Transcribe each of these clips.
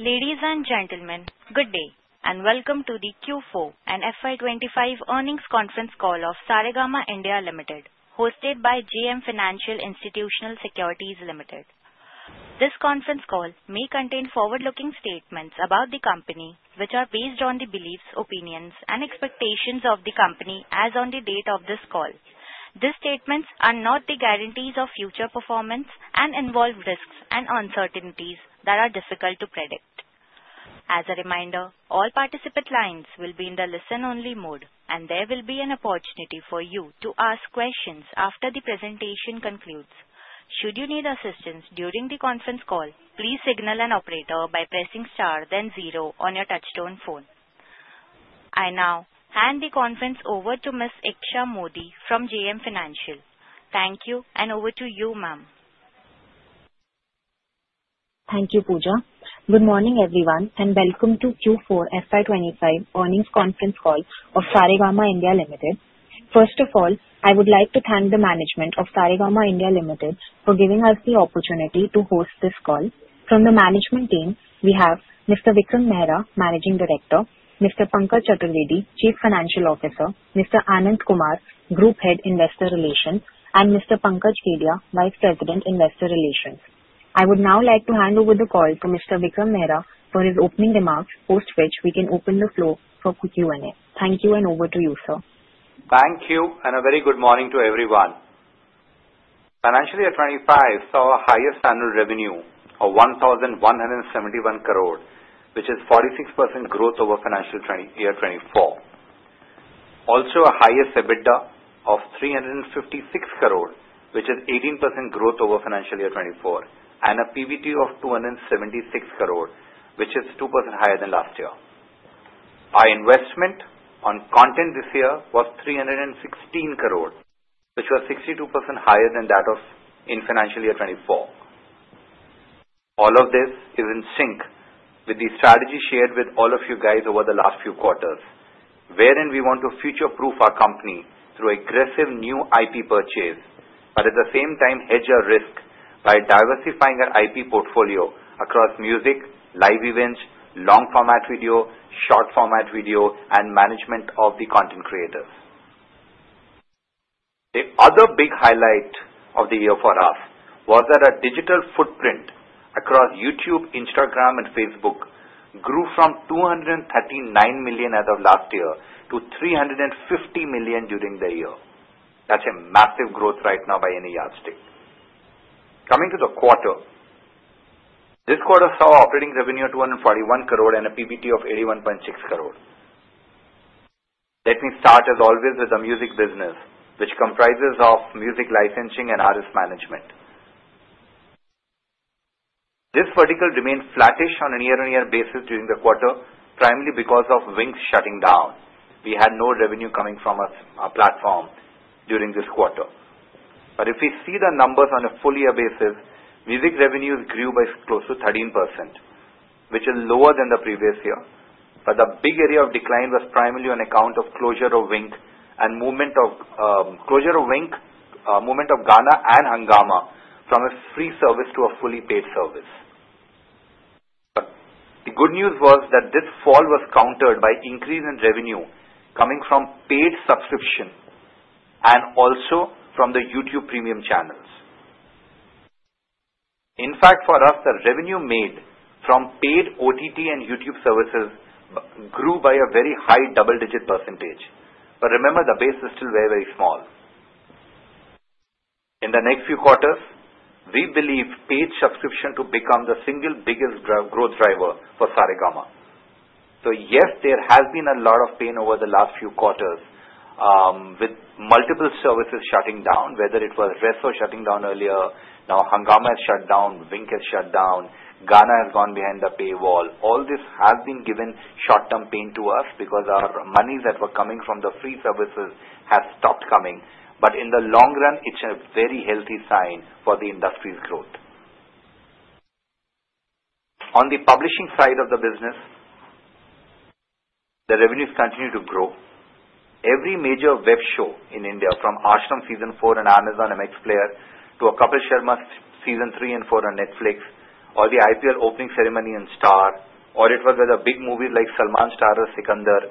Ladies and gentlemen, good day, and welcome to the Q4 and FY 2025 earnings conference call of Saregama India Limited, hosted by JM Financial Institutional Securities Limited. This conference call may contain forward-looking statements about the company, which are based on the beliefs, opinions, and expectations of the company as on the date of this call. These statements are not the guarantees of future performance and involve risks and uncertainties that are difficult to predict. As a reminder, all participant lines will be in the listen-only mode, and there will be an opportunity for you to ask questions after the presentation concludes. Should you need assistance during the conference call, please signal an operator by pressing star, then zero on your touchstone phone. I now hand the conference over to Ms. Eksha Modi from JM Financial. Thank you, and over to you, ma'am. Thank you, Pooja. Good morning, everyone, and welcome to Q4 FY 2025 earnings conference call of Saregama India Limited. First of all, I would like to thank the management of Saregama India Limited for giving us the opportunity to host this call. From the management team, we have Mr. Vikram Mehra, Managing Director, Mr. Pankaj Chaturvedi, Chief Financial Officer, Mr. Anand Kumar, Group Head, Investor Relations, and Mr. Pankaj Kedia, Vice President, Investor Relations. I would now like to hand over the call to Mr. Vikram Mehra for his opening remarks, post which we can open the floor for Q&A. Thank you, and over to you, sir. Thank you, and a very good morning to everyone. Financial year 2025 saw a higher standard revenue of 1,171 crore, which is 46% growth over financial year 2024. Also, a higher EBITDA of 356 crore, which is 18% growth over financial year 2024, and a PBT of 276 crore, which is 2% higher than last year. Our investment on content this year was 316 crore, which was 62% higher than that of in financial year 2024. All of this is in sync with the strategy shared with all of you guys over the last few quarters, wherein we want to future-proof our company through aggressive new IP purchase, but at the same time hedge our risk by diversifying our IP portfolio across music, live events, long-format video, short-format video, and management of the content creators. The other big highlight of the year for us was that our digital footprint across YouTube, Instagram, and Facebook grew from 239 million as of last year to 350 million during the year. That's a massive growth right now by any odd state. Coming to the quarter, this quarter saw operating revenue of 241 crore and a PBT of 81.6 crore. Let me start, as always, with the music business, which comprises of music licensing and artist management. This vertical remained flattish on a year-on-year basis during the quarter, primarily because of Wink shutting down. We had no revenue coming from our platform during this quarter. If we see the numbers on a full-year basis, music revenues grew by close to 13%, which is lower than the previous year. The big area of decline was primarily on account of closure of Wink and movement of Gaana and Hungama from a free service to a fully paid service. The good news was that this fall was countered by increase in revenue coming from paid subscription and also from the YouTube Premium channels. In fact, for us, the revenue made from paid OTT and YouTube services grew by a very high double-digit percentage. Remember, the base is still very, very small. In the next few quarters, we believe paid subscription to become the single biggest growth driver for Saregama. Yes, there has been a lot of pain over the last few quarters with multiple services shutting down, whether it was Resso shutting down earlier. Now, Hungama has shut down, Wink has shut down, Gaana has gone behind the paywall. All this has been giving short-term pain to us because our monies that were coming from the free services have stopped coming. In the long run, it's a very healthy sign for the industry's growth. On the publishing side of the business, the revenues continue to grow. Every major web show in India, from Ashram Season 4 on Amazon MX Player to a couple of Sharma Season 3 and 4 on Netflix, or the IPL opening ceremony on Star, or it was with a big movie like Salman star of Sikandar,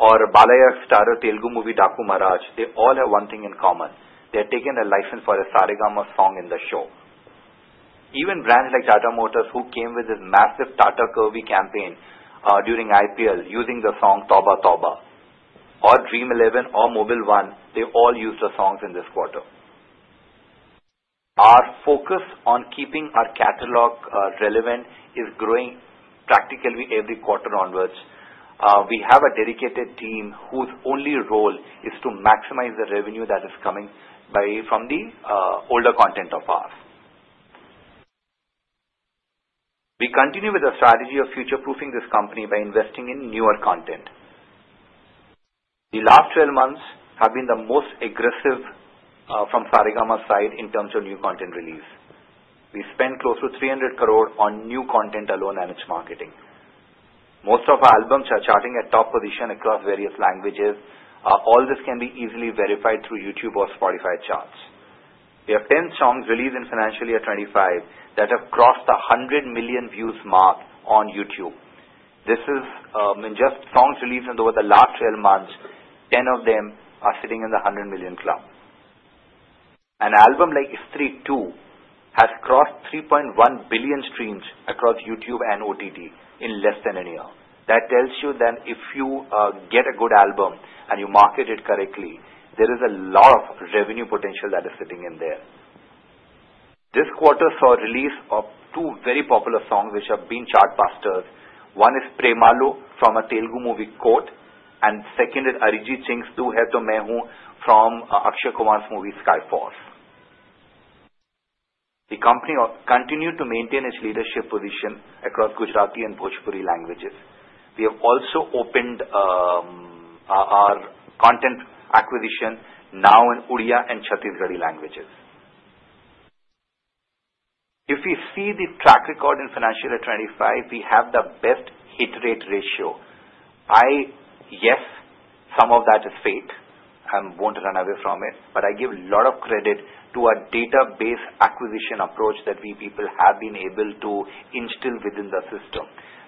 or Balayak star of Telugu movie Daku Maharaj, they all have one thing in common. They're taking a license for a Saregama song in the show. Even brands like Tata Motors, who came with this massive Tata Kirby campaign during IPL using the song Toba Toba, or Dream11, or Mobile One, they all used the songs in this quarter. Our focus on keeping our catalog relevant is growing practically every quarter onwards. We have a dedicated team whose only role is to maximize the revenue that is coming from the older content of ours. We continue with the strategy of future-proofing this company by investing in newer content. The last 12 months have been the most aggressive from Saregama's side in terms of new content release. We spent close to 300 crore on new content alone and its marketing. Most of our albums are charting at top position across various languages. All this can be easily verified through YouTube or Spotify charts. We have 10 songs released in financial year 2025 that have crossed the 100 million views mark on YouTube. This is just songs released over the last 12 months. 10 of them are sitting in the 100 million club. An album like Isthri 2 has crossed 3.1 billion streams across YouTube and OTT in less than a year. That tells you that if you get a good album and you market it correctly, there is a lot of revenue potential that is sitting in there. This quarter saw a release of two very popular songs which have been chartbusters. One is Premalu from a Telugu movie, Koot, and second is Arijit Singh's "Tu Hai To Main Hoon," from Akshay Kumar's movie, Sky Force. The company continued to maintain its leadership position across Gujarati and Bhojpuri languages. We have also opened our content acquisition now in Odia and Chhattisgarhi languages. If we see the track record in financial year 2025, we have the best hit rate ratio. Yes, some of that is fake and will not run away from it, but I give a lot of credit to our database acquisition approach that we people have been able to instill within the system.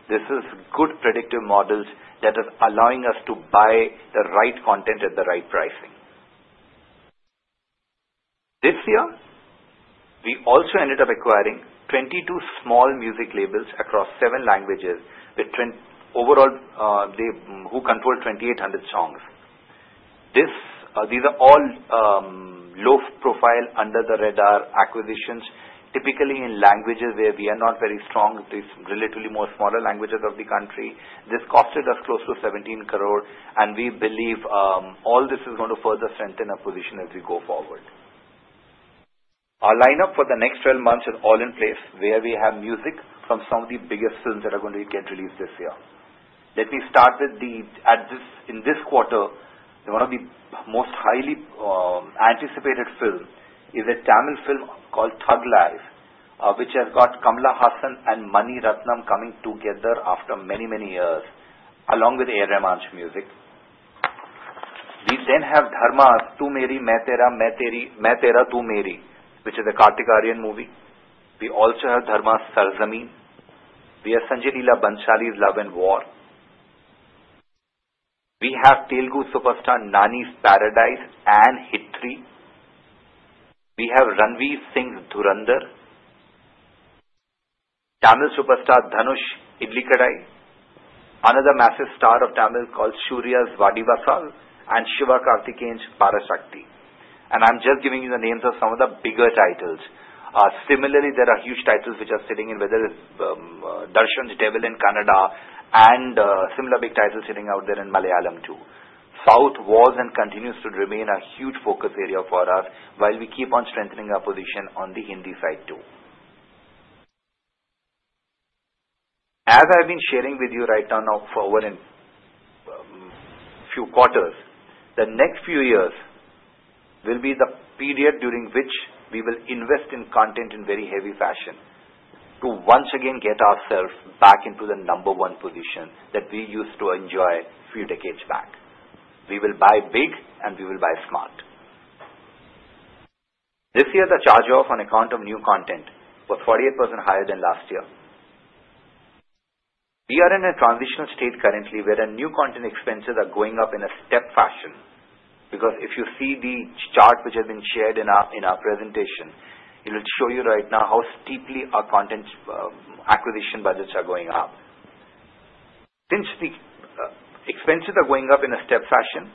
This is good predictive models that are allowing us to buy the right content at the right pricing. This year, we also ended up acquiring 22 small music labels across seven languages, with overall who controlled 2,800 songs. These are all low-profile, under-the-radar acquisitions, typically in languages where we are not very strong. These are relatively more smaller languages of the country. This costed us close to 17 crore, and we believe all this is going to further strengthen our position as we go forward. Our lineup for the next 12 months is all in place, where we have music from some of the biggest films that are going to get released this year. Let me start with the in this quarter, one of the most highly anticipated films is a Tamil film called Thug Life, which has got Kamal Haasan and Mani Ratnam coming together after many, many years, along with A.R. Rahman's music. We then have Dharma's Tu Meri Mai Tera, Main Tera Tu Meri, which is a Kartik Aaryan movie. We also have Dharma's Sarzamin. We have Sanjay Leela Bhansali's Love and War. We have Telugu superstar Nani's Paradise and Isthri. We have Ranveer Singh's Don Dar. Tamil superstar Dhanush Idli Kadai. Another massive star of Tamil called Suriya's Vadi Vasal and Shiva Karthikeyan's Parashakti. I'm just giving you the names of some of the bigger titles. Similarly, there are huge titles which are sitting in, whether it's Darshan's Devil in Kannada and similar big titles sitting out there in Malayalam too. South was and continues to remain a huge focus area for us while we keep on strengthening our position on the Hindi side too. As I've been sharing with you right now, now forward in a few quarters, the next few years will be the period during which we will invest in content in very heavy fashion to once again get ourselves back into the number one position that we used to enjoy a few decades back. We will buy big, and we will buy smart. This year, the charge-off on account of new content was 48% higher than last year. We are in a transitional state currently where new content expenses are going up in a step fashion. Because if you see the chart which has been shared in our presentation, it will show you right now how steeply our content acquisition budgets are going up. Since the expenses are going up in a step fashion,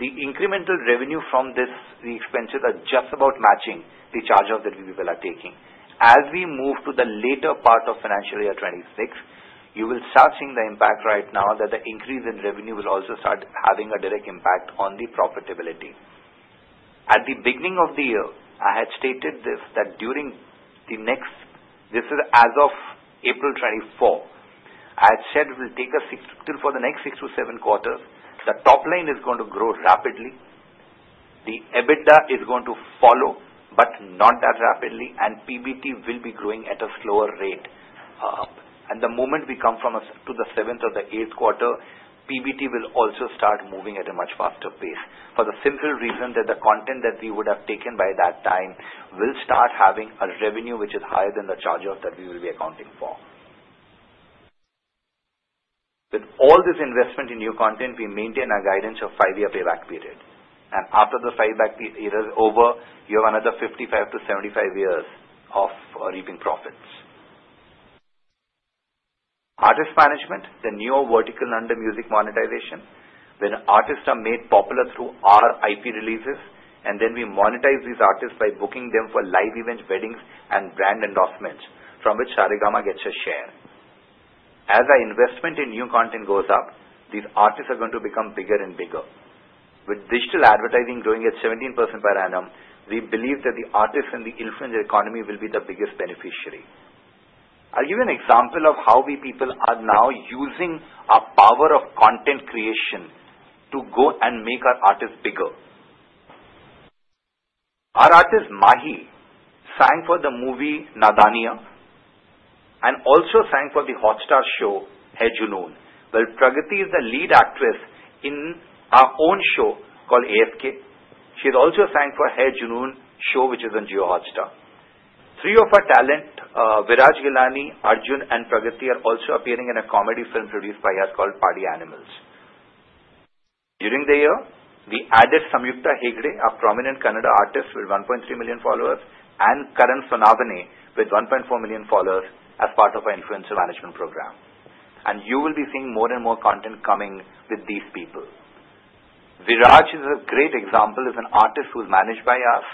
the incremental revenue from these expenses are just about matching the charge-off that we people are taking. As we move to the later part of financial year 2026, you will start seeing the impact right now that the increase in revenue will also start having a direct impact on the profitability. At the beginning of the year, I had stated this that during the next, this is as of April 2024. I had said we'll take a six, for the next six to seven quarters. The top line is going to grow rapidly. The EBITDA is going to follow, but not that rapidly, and PBT will be growing at a slower rate. The moment we come to the seventh or the eighth quarter, PBT will also start moving at a much faster pace for the simple reason that the content that we would have taken by that time will start having a revenue which is higher than the charge-off that we will be accounting for. With all this investment in new content, we maintain our guidance of five-year payback period. After the five-year payback period is over, you have another 55-75 years of reaping profits. Artist management, the newer vertical under music monetization, where artists are made popular through our IP releases, and then we monetize these artists by booking them for live events, weddings, and brand endorsements, from which Saregama gets a share. As our investment in new content goes up, these artists are going to become bigger and bigger. With digital advertising growing at 17% per annum, we believe that the artists in the influencer economy will be the biggest beneficiary. I'll give you an example of how we people are now using our power of content creation to go and make our artists bigger. Our artist Mahi sang for the movie Nadaniyaan and also sang for the Hotstar show Hai Junoon!, while Pragati is the lead actress in our own show called AFK. She also sang for Hai Junoon! show, which is on JioHotstar. Three of our talent, Viraj Ghelani, Arjun, and Pragati, are also appearing in a comedy film produced by us called Paadi Animals. During the year, we added Samyuktha Hegde, a prominent Kannada artist with 1.3 million followers, and Karan Sonavani, with 1.4 million followers, as part of our influencer management program. You will be seeing more and more content coming with these people. Viraj is a great example as an artist who's managed by us.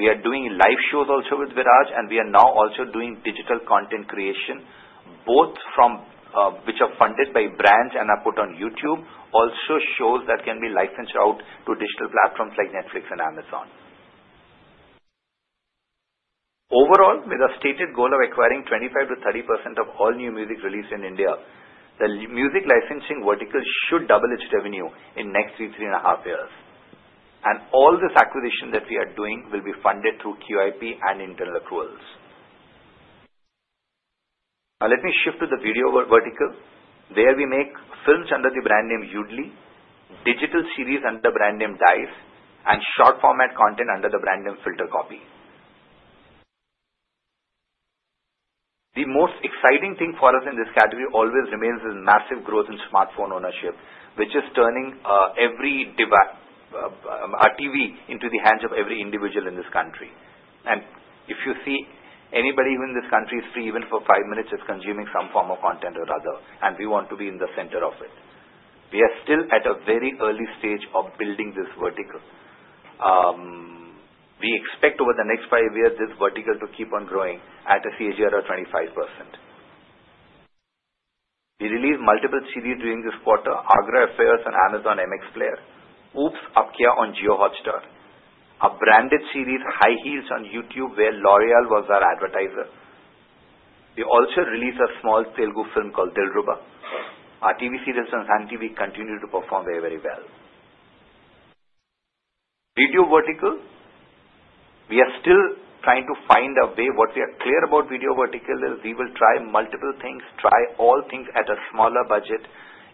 We are doing live shows also with Viraj, and we are now also doing digital content creation, both from which are funded by brands and are put on YouTube, also shows that can be licensed out to digital platforms like Netflix and Amazon. Overall, with a stated goal of acquiring 25%-30% of all new music released in India, the music licensing vertical should double its revenue in the next two, three and a half years. All this acquisition that we are doing will be funded through QIP and internal accruals. Now let me shift to the video vertical, where we make films under the brand name Udly, digital series under the brand name DICE, and short format content under the brand name Filter Copy. The most exciting thing for us in this category always remains is massive growth in smartphone ownership, which is turning our TV into the hands of every individual in this country. If you see anybody who in this country is free even for five minutes, is consuming some form of content or other, and we want to be in the center of it. We are still at a very early stage of building this vertical. We expect over the next five years this vertical to keep on growing at a CAGR of 25%. We released multiple series during this quarter: Agra Affairs on Amazon MX Player, OopsAb Kya on JioHotstar, a branded series High Heels on YouTube where L'Oréal was our advertiser. We also released a small Telugu film called Dilruba. Our TV series on Sun TV continued to perform very, very well. Video vertical, we are still trying to find a way. What we are clear about video vertical is we will try multiple things, try all things at a smaller budget.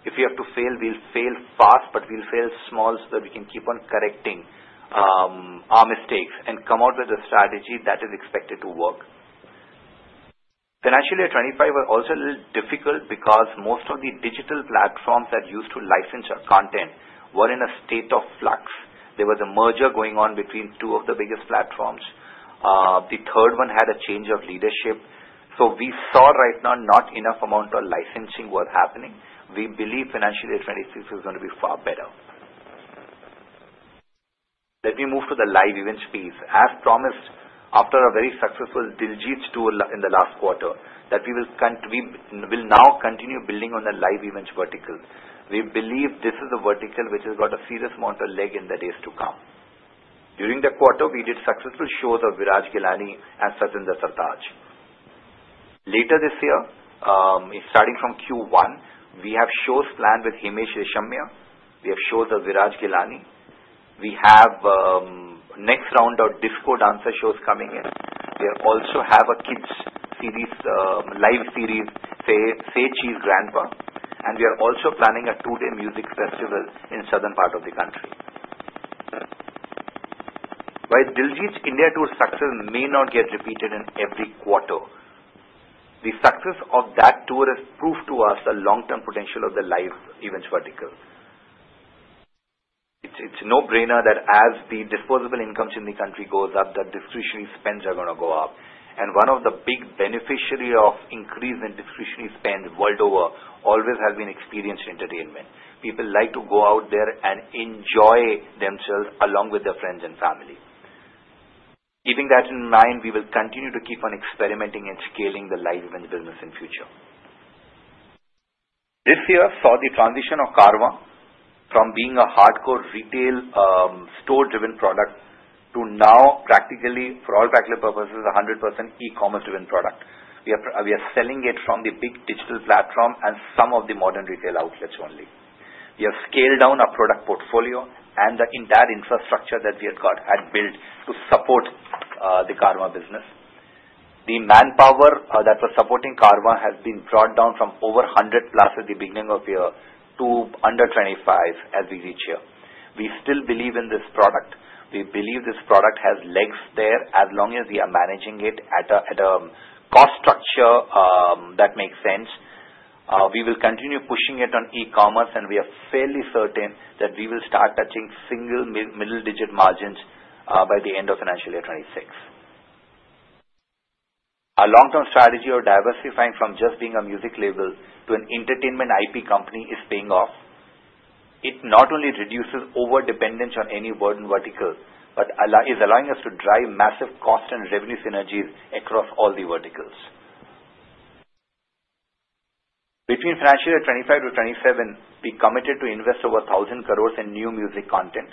If we have to fail, we'll fail fast, but we'll fail small so that we can keep on correcting our mistakes and come out with a strategy that is expected to work. Financial year 2025 was also a little difficult because most of the digital platforms that used to license our content were in a state of flux. There was a merger going on between two of the biggest platforms. The third one had a change of leadership. We saw right now not enough amount of licensing was happening. We believe financial year 2026 is going to be far better. Let me move to the live events piece. As promised, after a very successful Diljit tour in the last quarter, that we will now continue building on the live events vertical. We believe this is a vertical which has got a serious amount of leg in the days to come. During the quarter, we did successful shows of Viraj Ghillani and Satinder Sartaaj. Later this year, starting from Q1, we have shows planned with Himesh Reshammiya. We have shows of Viraj Ghillani. We have next round of Disco Dancer shows coming in. We also have a kids' series, live series, Say Cheese Grandpa. We are also planning a two-day music festival in the southern part of the country. While Diljit India Tour's success may not get repeated in every quarter, the success of that tour has proved to us the long-term potential of the live events vertical. It's a no-brainer that as the disposable incomes in the country go up, the discretionary spends are going to go up. One of the big beneficiaries of increase in discretionary spend worldwide always has been experienced entertainment. People like to go out there and enjoy themselves along with their friends and family. Keeping that in mind, we will continue to keep on experimenting and scaling the live events business in the future. This year saw the transition of Karva from being a hardcore retail store-driven product to now practically, for all practical purposes, a 100% e-commerce-driven product. We are selling it from the big digital platform and some of the modern retail outlets only. We have scaled down our product portfolio and the entire infrastructure that we had built to support the Karva business. The manpower that was supporting Karva has been brought down from over 100+ at the beginning of the year to under 25 as we reach here. We still believe in this product. We believe this product has legs there as long as we are managing it at a cost structure that makes sense. We will continue pushing it on e-commerce, and we are fairly certain that we will start touching single middle-digit margins by the end of Financial year 2026. Our long-term strategy of diversifying from just being a music label to an entertainment IP company is paying off. It not only reduces over-dependence on any burden vertical, but is allowing us to drive massive cost and revenue synergies across all the verticals. Between Financial year 2025-2027, we committed to invest over 1,000 crore in new music content.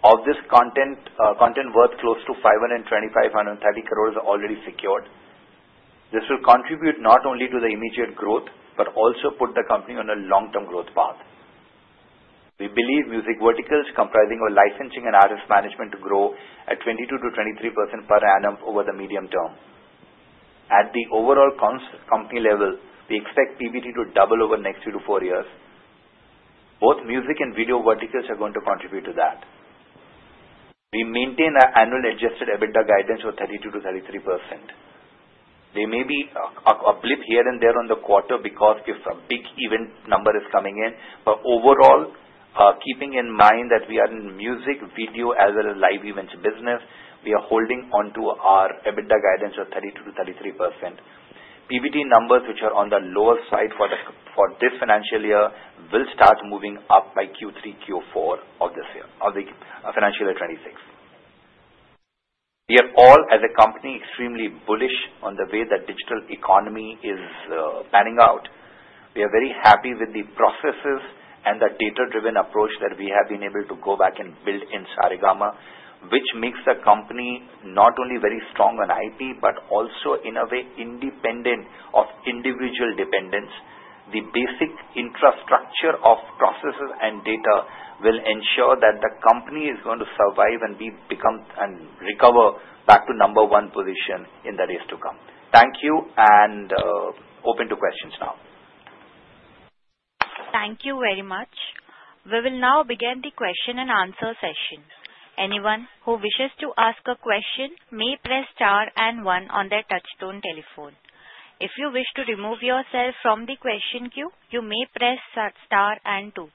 Of this content, content worth close to 525 crore, 130 crore are already secured. This will contribute not only to the immediate growth, but also put the company on a long-term growth path. We believe music verticals comprising licensing and artist management to grow at 22%-23% per annum over the medium term. At the overall company level, we expect PBT to double over the next three to four years. Both music and video verticals are going to contribute to that. We maintain our annual adjusted EBITDA guidance of 32%-33%. There may be a blip here and there on the quarter because a big event number is coming in. Overall, keeping in mind that we are in music, video, as well as live events business, we are holding onto our EBITDA guidance of 32%-33%. PBT numbers, which are on the lower side for this financial year, will start moving up by Q3, Q4 of this year, of financial year 2026. We are all, as a company, extremely bullish on the way that digital economy is panning out. We are very happy with the processes and the data-driven approach that we have been able to go back and build in Saregama, which makes the company not only very strong on IP, but also in a way independent of individual dependence. The basic infrastructure of processes and data will ensure that the company is going to survive and recover back to number one position in the days to come. Thank you, and open to questions now. Thank you very much. We will now begin the question and answer session. Anyone who wishes to ask a question may press star and one on their touchstone telephone. If you wish to remove yourself from the question queue, you may press star and two.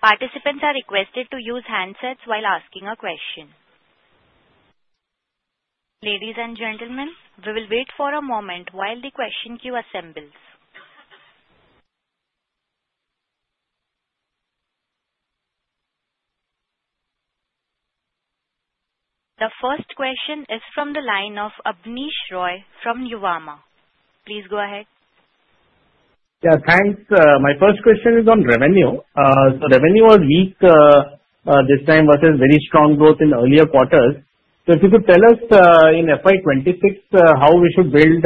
Participants are requested to use handsets while asking a question. Ladies and gentlemen, we will wait for a moment while the question queue assembles. The first question is from the line of Abneesh Roy from Nuvama. Please go ahead. Yeah, thanks. My first question is on revenue. So revenue was weak this time versus very strong growth in earlier quarters. If you could tell us in FY 2026 how we should build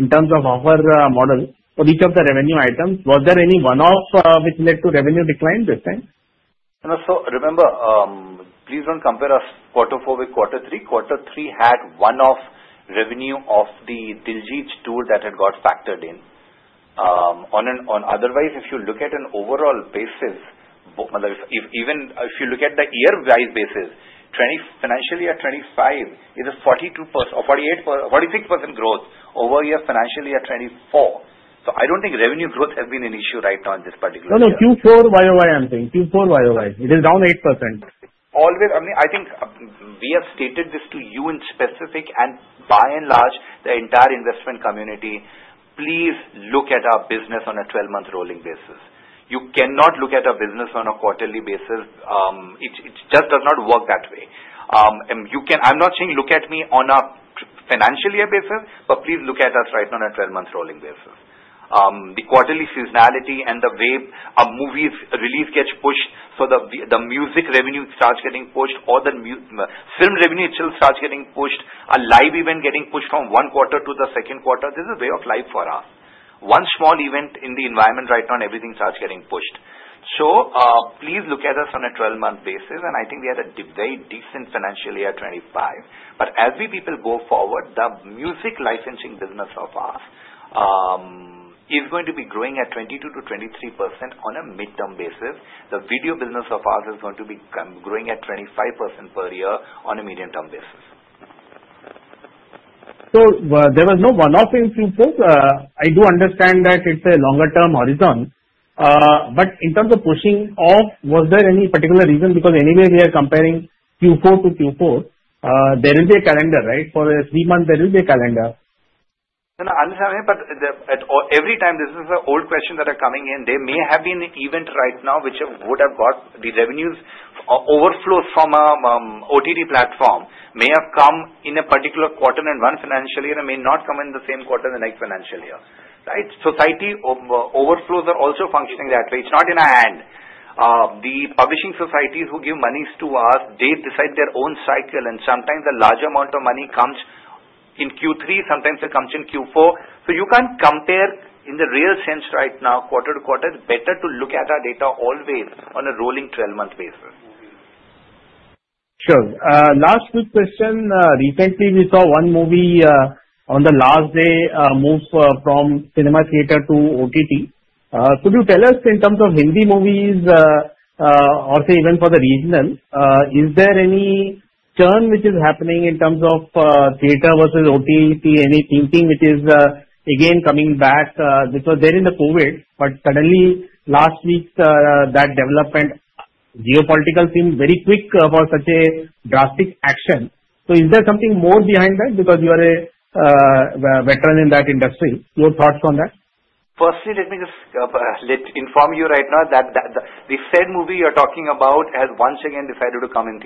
in terms of our model for each of the revenue items, was there any one-off which led to revenue decline this time? Remember, please do not compare us quarter four with quarter three. Quarter three had one-off revenue of the Diljit tour that had got factored in. Otherwise, if you look at an overall basis, even if you look at the year-wise basis, financial year 2025 is a 46% growth over financial year 2024. I do not think revenue growth has been an issue right now in this particular year. No, no, Q4 YoY, I am saying. Q4 YoY. It is down 8%. I mean, I think we have stated this to you in specific, and by and large, the entire investment community, please look at our business on a 12-month rolling basis. You cannot look at our business on a quarterly basis. It just does not work that way. I am not saying look at me on a financial year basis, but please look at us right now on a 12-month rolling basis. The quarterly seasonality and the way a movie's release gets pushed, so the music revenue starts getting pushed, or the film revenue itself starts getting pushed, a live event getting pushed from one quarter to the second quarter, this is a way of life for us. One small event in the environment right now and everything starts getting pushed. Please look at us on a 12-month basis, and I think we had a very decent financial year 2025. As we people go forward, the music licensing business of ours is going to be growing at 22%-23% on a mid-term basis. The video business of ours is going to be growing at 25% per year on a medium-term bas is. There was no one-off in Q4. I do understand that it's a longer-term horizon. In terms of pushing off, was there any particular reason? Because anyway, we are comparing Q4-Q4. There will be a calendar, right? For three months, there will be a calendar. No, no, I understand, but every time this is an old question that is coming in, there may have been an event right now which would have got the revenues overflow from an OTT platform, may have come in a particular quarter and one financial year and may not come in the same quarter the next financial year. Right? Society overflows are also functioning that way. It's not in our hand. The publishing societies who give monies to us, they decide their own cycle, and sometimes a larger amount of money comes in Q3, sometimes it comes in Q4. You can't compare in the real sense right now quarter to quarter. It's better to look at our data always on a rolling 12-month basis. Sure. Last quick question. Recently, we saw one movie on the last day move from cinema theater to OTT. Could you tell us in terms of Hindi movies or say even for the regional, is there any turn which is happening in terms of theater versus OTT? Any thinking which is again coming back? Because there is a COVID, but suddenly last week that development, geopolitical thing very quick for such a drastic action. Is there something more behind that? Because you are a veteran in that industry. Your thoughts on that? Firstly, let me just inform you right now that the said movie you're talking about has once again decided to come in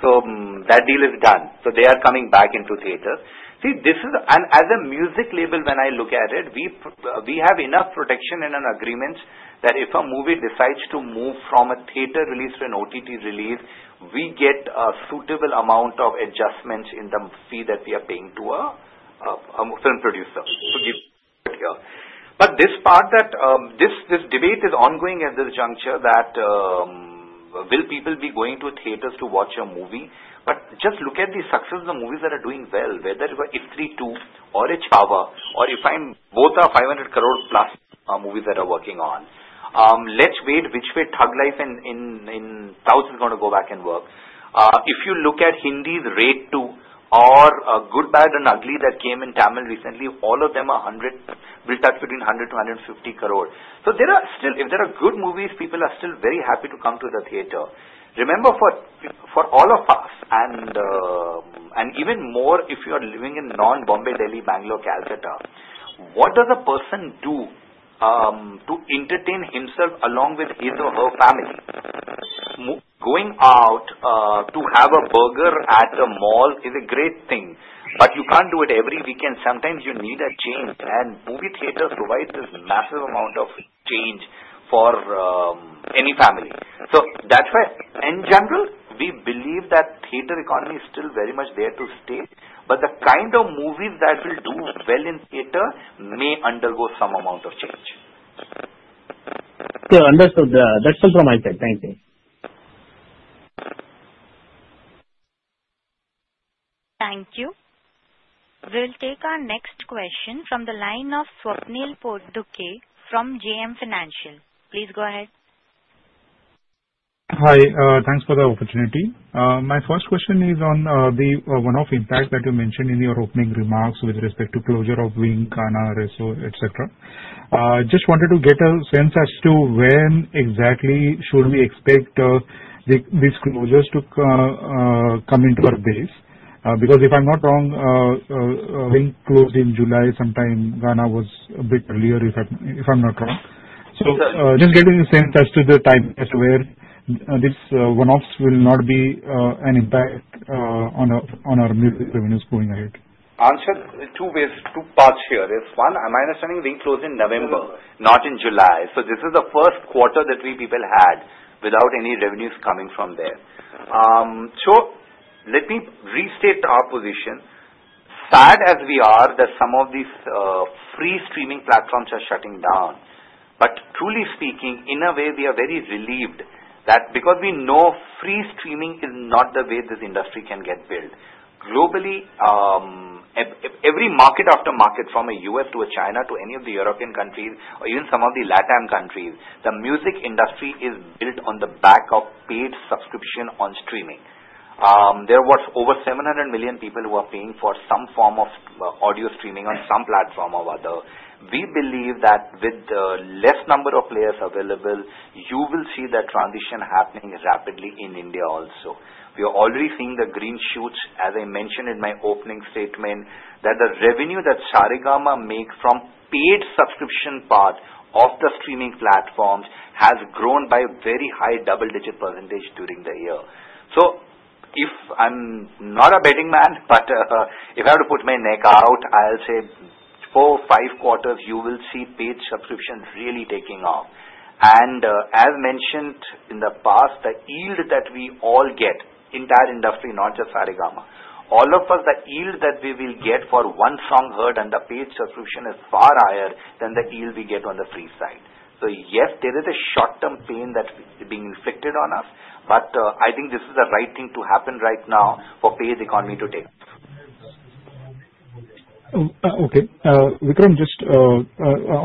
theaters. That deal is done. They are coming back into theaters. See, this is as a music label when I look at it, we have enough protection in our agreements that if a movie decides to move from a theater release to an OTT release, we get a suitable amount of adjustments in the fee that we are paying to a film producer. This part that this debate is ongoing at this juncture that will people be going to theaters to watch a movie? Just look at the success of the movies that are doing well, whether it's F32 or a Karva or if I'm both are 500 crore plus movies that are working on. Let's wait which way Thug Life in South is going to go back and work. If you look at Hindi's Rate 2 or Good, Bad and Ugly that came in Tamil recently, all of them will touch between 100 crore and 150 crore. If there are good movies, people are still very happy to come to the theater. Remember for all of us, and even more if you are living in non-Bombay Delhi, Bangalore, Calcutta, what does a person do to entertain himself along with his or her family? Going out to have a burger at a mall is a great thing, but you can't do it every weekend. Sometimes you need a change, and movie theaters provide this massive amount of change for any family. That's why, in general, we believe that theater economy is still very much there to stay, but the kind of movies that will do well in theater may undergo some amount of change. Understood. That's all from my side. Thank you. Thank you. We'll take our next question from the line of Swapnil Potdukhe from JM Financial. Please go ahead. Hi. Thanks for the opportunity. My first question is on the one-off impact that you mentioned in your opening remarks with respect to closure of Wink, Gaana, Resso, etc. Just wanted to get a sense as to when exactly should we expect these closures to come into our base? Because if I'm not wrong, Wink closed in July sometime. Gaana was a bit earlier, if I'm not wrong. Just getting a sense as to the time as to where these one-offs will not be an impact on our music revenues going ahead. Answer two parts here. One, am I understanding Wink closed in November, not in July? This is the first quarter that we people had without any revenues coming from there. Let me restate our position. Sad as we are that some of these free streaming platforms are shutting down. Truly speaking, in a way, we are very relieved that because we know free streaming is not the way this industry can get built. Globally, every market after market from a U.S. to a China to any of the European countries or even some of the LATAM countries, the music industry is built on the back of paid subscription on streaming. There are over 700 million people who are paying for some form of audio streaming on some platform or other. We believe that with the less number of players available, you will see that transition happening rapidly in India also. We are already seeing the green shoots, as I mentioned in my opening statement, that the revenue that Saregama makes from paid subscription part of the streaming platforms has grown by a very high double-digit percentage during the year. If I'm not a betting man, but if I were to put my neck out, I'll say four-five quarters, you will see paid subscriptions really taking off. As mentioned in the past, the yield that we all get, entire industry, not just Saregama, all of us, the yield that we will get for one song heard under paid subscription is far higher than the yield we get on the free side. Yes, there is a short-term pain that is being inflicted on us, but I think this is the right thing to happen right now for paid economy to take off. Okay. Vikram, just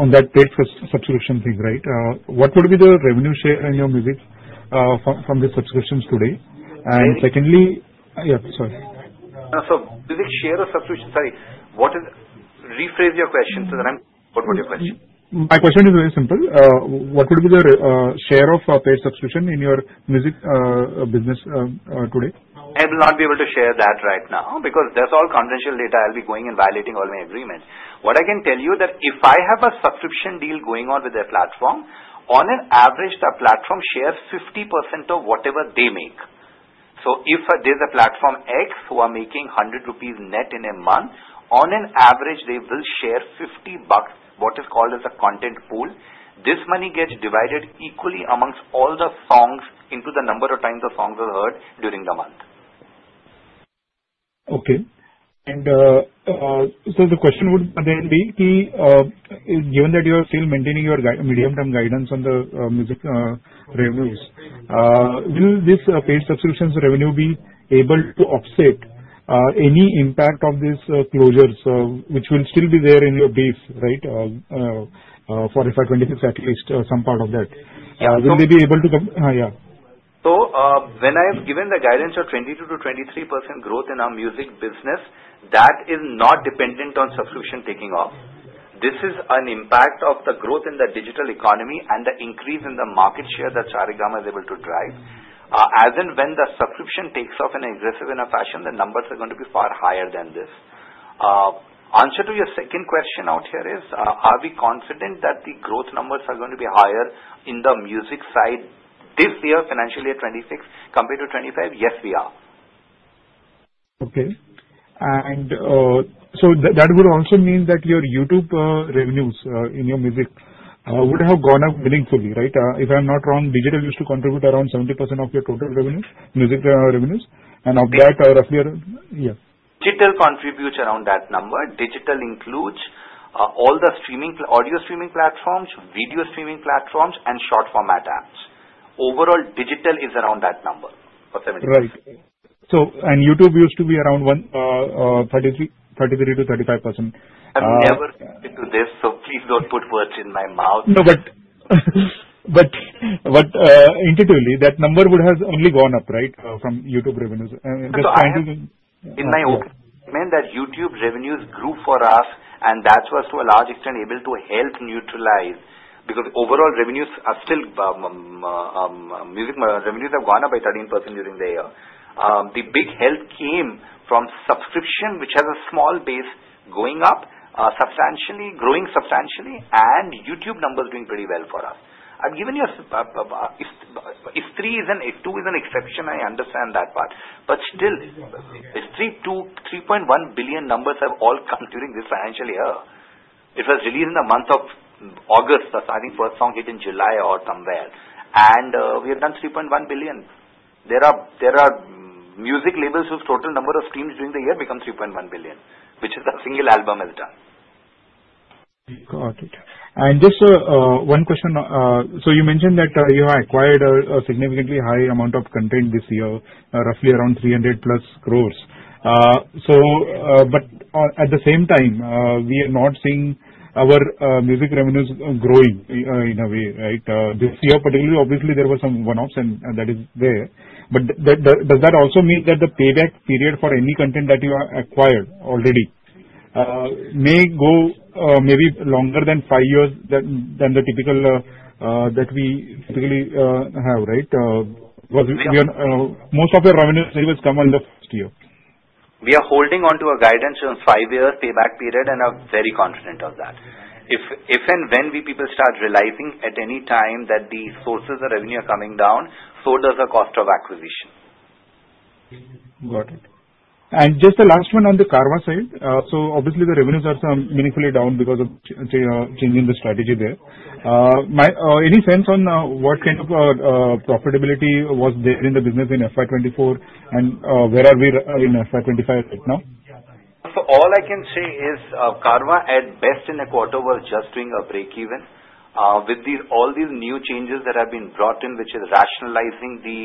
on that paid subscription thing, right? What would be the revenue share in your music from the subscriptions today? Secondly. Yeah, sorry. So music share of subscription, sorry. Rephrase your question so that I'm able to put your question. My question is very simple. What would be the share of paid subscription in your music business today? I will not be able to share that right now because that's all confidential data. I'll be going and violating all my agreements. What I can tell you is that if I have a subscription deal going on with their platform, on an average, the platform shares 50% of whatever they make. If there's a platform X who are making 100 rupees net in a month, on an average, they will share 50 bucks, what is called as a content pool. This money gets divided equally amongst all the songs into the number of times the songs are heard during the month. Okay. The question would then be, given that you are still maintaining your medium-term guidance on the music revenues, will this paid subscriptions revenue be able to offset any impact of these closures, which will still be there in your base, right, for FY 2026 at least, some part of that? Will they be able to? Yeah. When I have given the guidance of 22%-23% growth in our music business, that is not dependent on subscription taking off. This is an impact of the growth in the digital economy and the increase in the market share that Saregama is able to drive. As and when the subscription takes off in an aggressive enough fashion, the numbers are going to be far higher than this. Answer to your second question out here is, are we confident that the growth numbers are going to be higher in the music side this year, financial year 2026, compared to 2025? Yes, we are. Okay. That would also mean that your YouTube revenues in your music would have gone up meaningfully, right? If I'm not wrong, digital used to contribute around 70% of your total revenues, music revenues. Of that, roughly. Yeah. Digital contributes around that number. Digital includes all the audio streaming platforms, video streaming platforms, and short format apps. Overall, digital is around that number for 70%. Right. YouTube used to be around 33%-35%. I've never been to this, so please don't put words in my mouth. No, but indicatively, that number would have only gone up, right, from YouTube revenues. Just trying to. In my opinion, that YouTube revenues grew for us, and that was to a large extent able to help neutralize because overall revenues are still music revenues have gone up by 13% during the year. The big help came from subscription, which has a small base going up substantially, growing substantially, and YouTube numbers doing pretty well for us. I've given you F3 is an exception. I understand that part. Still, F3, 3.1 billion numbers have all come during this financial year. It was released in the month of August. I think first song hit in July or somewhere. We have done 3.1 billion. There are music labels whose total number of streams during the year becomes 3.1 billion, which is a single album has done. Got it. Just one question. You mentioned that you have acquired a significantly higher amount of content this year, roughly around 300 crore+. At the same time, we are not seeing our music revenues growing in a way, right? This year, particularly, obviously, there were some one-offs, and that is there. Does that also mean that the payback period for any content that you acquired already may go maybe longer than five years than the typical that we typically have, right? Most of your revenues maybe will come in the first year. We are holding on to a guidance of five-year payback period, and I am very confident of that. If and when we people start realizing at any time that the sources of revenue are coming down, so does the cost of acquisition. Got it. Just the last one on the Karva side. Obviously, the revenues are meaningfully down because of changing the strategy there. Any sense on what kind of profitability was there in the business in FY 2024 and where are we in FY 2025 right now? All I can say is Karva at best in a quarter was just doing a break even with all these new changes that have been brought in, which is rationalizing the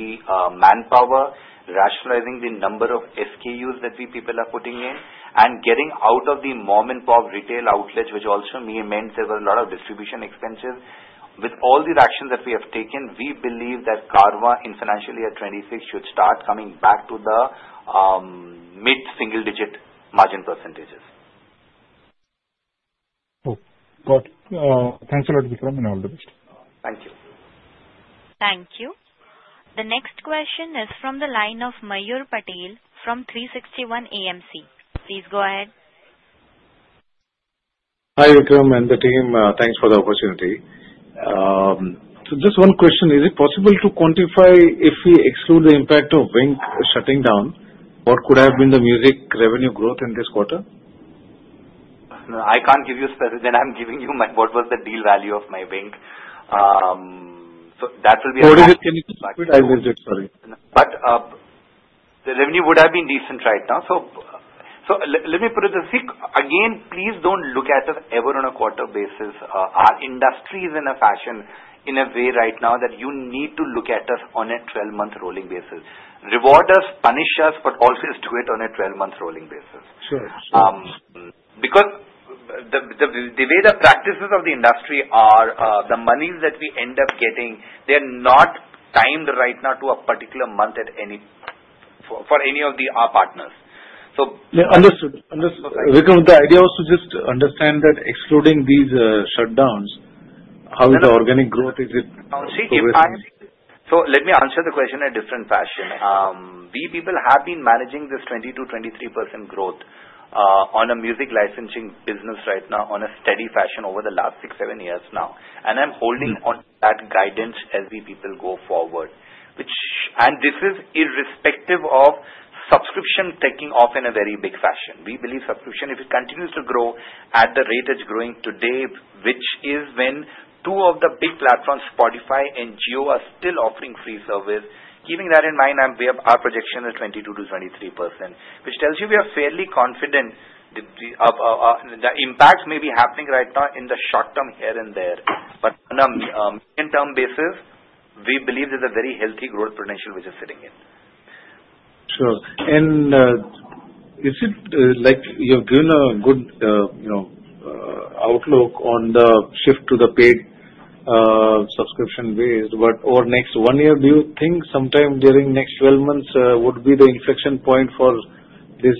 manpower, rationalizing the number of SKUs that we people are putting in, and getting out of the mom-and-pop retail outlets, which also meant there were a lot of distribution expenses. With all the actions that we have taken, we believe that Karva in financial year 2026 should start coming back to the mid-single-digit margin percentages. Got it. Thanks a lot, Vikram, and all the best. Thank you. Thank you. The next question is from the line of Mayur Patel from 360 ONE AMC. Please go ahead. Hi, Vikram and the team. Thanks for the opportunity. Just one question. Is it possible to quantify if we exclude the impact of Wink shutting down, what could have been the music revenue growth in this quarter? I can't give you specific. Then I'm giving you my what was the deal value of my Wink. That will be a question. What is it? Can you just recapitalize it? Sorry. The revenue would have been decent right now. Let me put it this way. Again, please don't look at us ever on a quarter basis. Our industry is in a fashion in a way right now that you need to look at us on a 12-month rolling basis. Reward us, punish us, but also do it on a 12-month rolling basis. Because the way the practices of the industry are, the monies that we end up getting, they're not timed right now to a particular month for any of our partners. Understood. Understood. Vikram, the idea was to just understand that excluding these shutdowns, how is the organic growth? Is it? Let me answer the question in a different fashion. We people have been managing this 22%-23% growth on a music licensing business right now on a steady fashion over the last six-seven years now. I'm holding on to that guidance as we people go forward. This is irrespective of subscription taking off in a very big fashion. We believe subscription, if it continues to grow at the rate it's growing today, which is when two of the big platforms, Spotify and Jio, are still offering free service. Keeping that in mind, we have our projection of 22%-23%, which tells you we are fairly confident that the impact may be happening right now in the short-term here and there. On a medium-term basis, we believe there's a very healthy growth potential which is sitting in. Sure. Is it like you've given a good outlook on the shift to the paid subscription ways over next one year? Do you think sometime during next 12 months would be the inflection point for this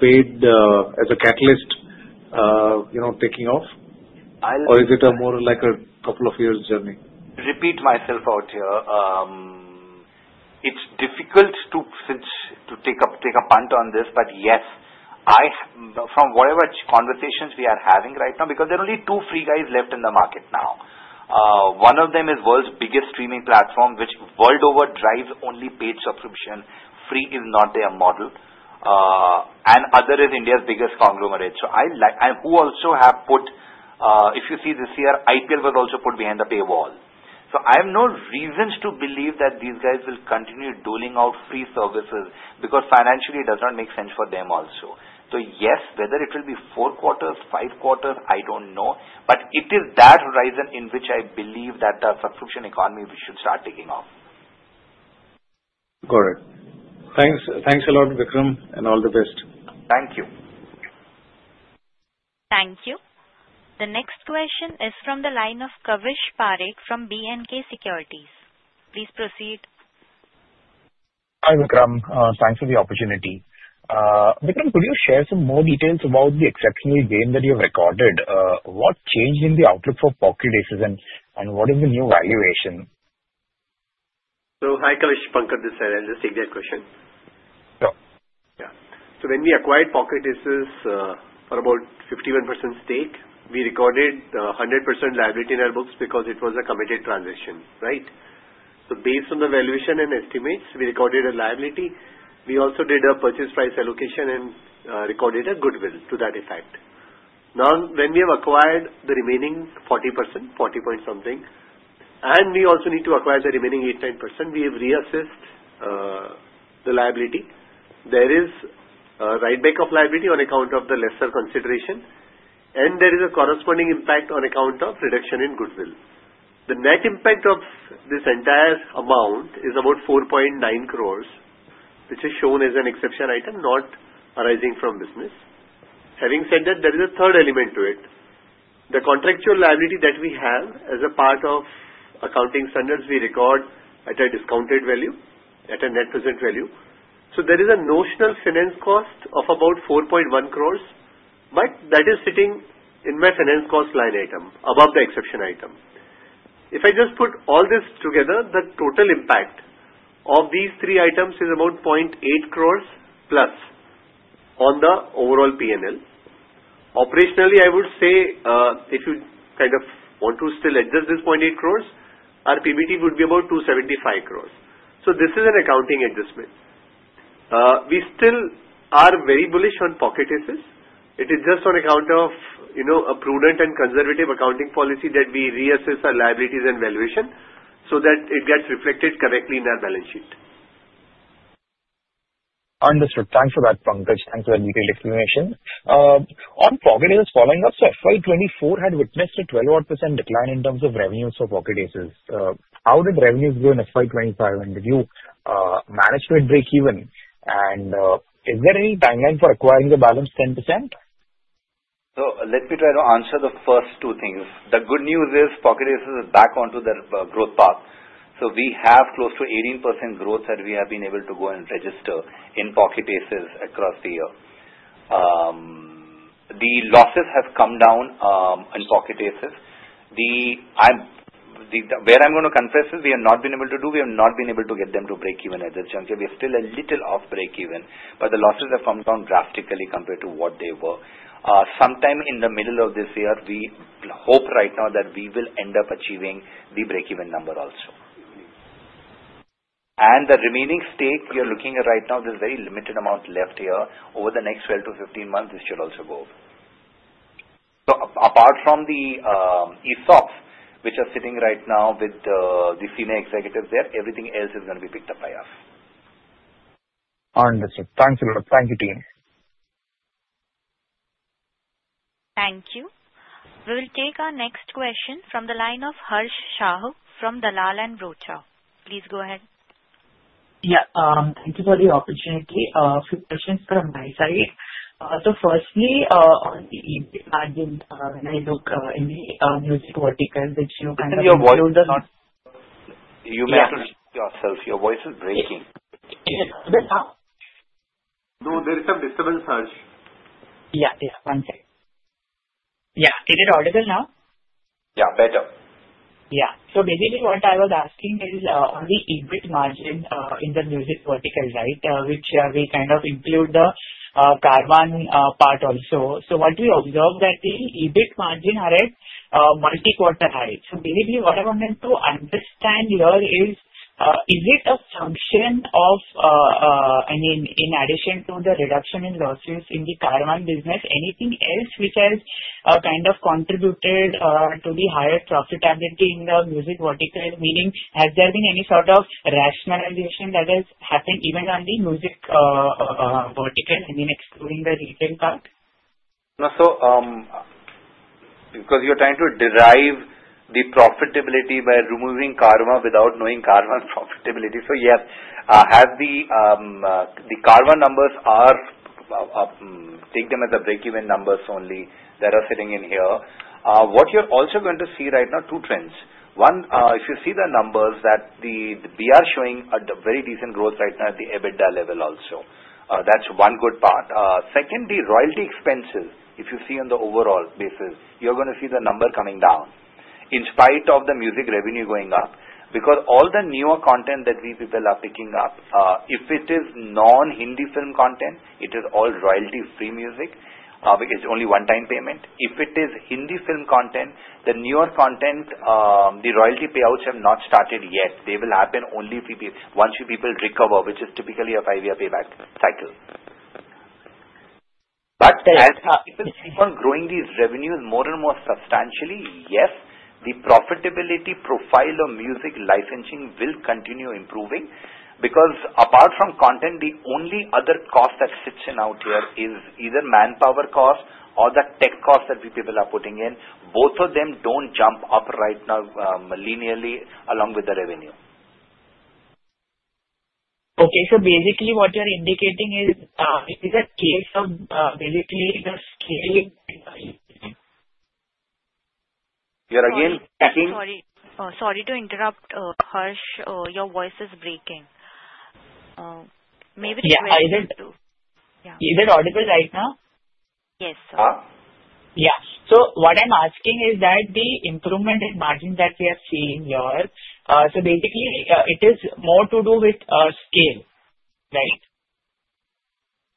paid as a catalyst taking off? Or is it more like a couple of years' journey? Repeat myself out here. It's difficult to take a punt on this, but yes. From whatever conversations we are having right now, because there are only two free guys left in the market now. One of them is the world's biggest streaming platform, which worldwide drives only paid subscription. Free is not their model. The other is India's biggest conglomerate. If you see this year, IPL was also put behind the paywall. I have no reason to believe that these guys will continue doling out free services because financially, it does not make sense for them also. Yes, whether it will be four quarters, five quarters, I do not know. It is that horizon in which I believe that the subscription economy should start taking off. Got it. Thanks a lot, Vikram, and all the best. Thank you. Thank you. The next question is from the line of Kavish Parekh from B&K Securities. Please proceed. Hi, Vikram. Thanks for the opportunity. Vikram, could you share some more details about the exceptional gain that you have recorded? What changed in the outlook for Pocket Aces, and what is the new valuation? Hi, Kavish. Pankaj this side. I'll just take that question. Yeah. When we acquired Pocket Aces for about 51% stake, we recorded 100% liability in our books because it was a committed transaction, right? Based on the valuation and estimates, we recorded a liability. We also did a purchase price allocation and recorded a goodwill to that effect. Now, when we have acquired the remaining 40%, 40% point something, and we also need to acquire the remaining 8%-10%, we have reassessed the liability. There is a write-back of liability on account of the lesser consideration, and there is a corresponding impact on account of reduction in goodwill. The net impact of this entire amount is about 4.9 crore, which is shown as an exception item, not arising from business. Having said that, there is a third element to it. The contractual liability that we have as a part of accounting standards, we record at a discounted value, at a net present value. So there is a notional finance cost of about 4.1 crore, but that is sitting in my finance cost line item above the exception item. If I just put all this together, the total impact of these three items is about 0.8 crore+ on the overall P&L. Operationally, I would say if you kind of want to still adjust this 0.8 crore, our PBT would be about 275 crore. This is an accounting adjustment. We still are very bullish on Pocket Aces. It is just on account of a prudent and conservative accounting policy that we reassess our liabilities and valuation so that it gets reflected correctly in our balance sheet. Understood. Thanks for that, Pankaj. Thanks for the detailed explanation. On Pocket Aces, following up, FY 2024 had witnessed a 12-odd percent decline in terms of revenues for Pocket Aces. How did revenues grow in FY 2025, and did you manage to hit break even? Is there any timeline for acquiring the balance 10%? Let me try to answer the first two things. The good news is Pocket Aces is back onto their growth path. We have close to 18% growth that we have been able to go and register in Pocket Aces across the year. The losses have come down in Pocket Aces. Where I'm going to confess is we have not been able to do. We have not been able to get them to break even at this juncture. We are still a little off break even, but the losses have come down drastically compared to what they were. Sometime in the middle of this year, we hope right now that we will end up achieving the break even number also. The remaining stake we are looking at right now, there's very limited amount left here. Over the next 12-15 months, this should also go up. Apart from the ESOPs, which are sitting right now with the senior executives there, everything else is going to be picked up by us. Understood. Thank you, brother. Thank you, team. Thank you. We will take our next question from the line of Harssh Shah from Dalaal & Broacha. Please go ahead. Yeah. Thank you for the opportunity. A few questions from my side. So firstly, when I look in the music vertical, which you kind of showed us. You may have to repeat yourself. Your voice is breaking. No, there is some discipline surge. Yeah. Yeah. One second. Yeah. Is it audible now? Yeah. Better. Yeah. So basically, what I was asking is on the EBIT margin in the music vertical, right, which we kind of include the Carvaan part also. So what we observed that the EBIT margin are at multi-quarter high. So basically, what I wanted to understand here is, is it a function of, I mean, in addition to the reduction in losses in the Carvaan business, anything else which has kind of contributed to the higher profitability in the music vertical? Meaning, has there been any sort of rationalization that has happened even on the music vertical, I mean, excluding the retail part? No, because you're trying to derive the profitability by removing Carvaan without knowing Carvaan's profitability. Yes, the Carvaan's numbers are, tathem as the break-even numbers only that are sitting in here. What you're also going to see right now, two trends. One, if you see the numbers, we are showing a very decent growth right now at the EBITDA level also. That's one good part. Second, the royalty expenses, if you see on the overall basis, you're going to see the number coming down in spite of the music revenue going up. Because all the newer content that we people are picking up, if it is non-Hindi film content, it is all royalty-free music. It's only one-time payment. If it is Hindi film content, the newer content, the royalty payouts have not started yet. They will happen only once you people recover, which is typically a five-year payback cycle. If we keep on growing these revenues more and more substantially, yes, the profitability profile of music licensing will continue improving. Because apart from content, the only other cost that's sitting out here is either manpower cost or the tech cost that we people are putting in. Both of them do not jump up right now linearly along with the revenue. Okay. Basically, what you are indicating is, is it a case of basically the scaling? You are again picking. Sorry. Sorry to interrupt, Harsh. Your voice is breaking. Maybe the question is too. Yeah. Is it audible right now? Yes, sir. Yeah. What I am asking is that the improvement in margin that we are seeing here, basically, it is more to do with scale, right?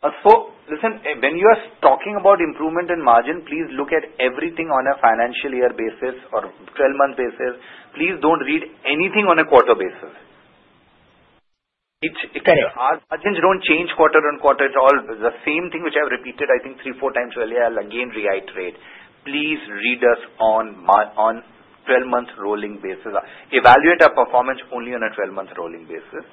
Listen, when you are talking about improvement in margin, please look at everything on a financial year basis or 12-month basis. Please do not read anything on a quarter basis. Correct. Our margins do not change quarter on quarter. It is all the same thing, which I have repeated, I think, three, 4x earlier. I will again reiterate. Please read us on 12-month rolling basis. Evaluate our performance only on a 12-month rolling basis.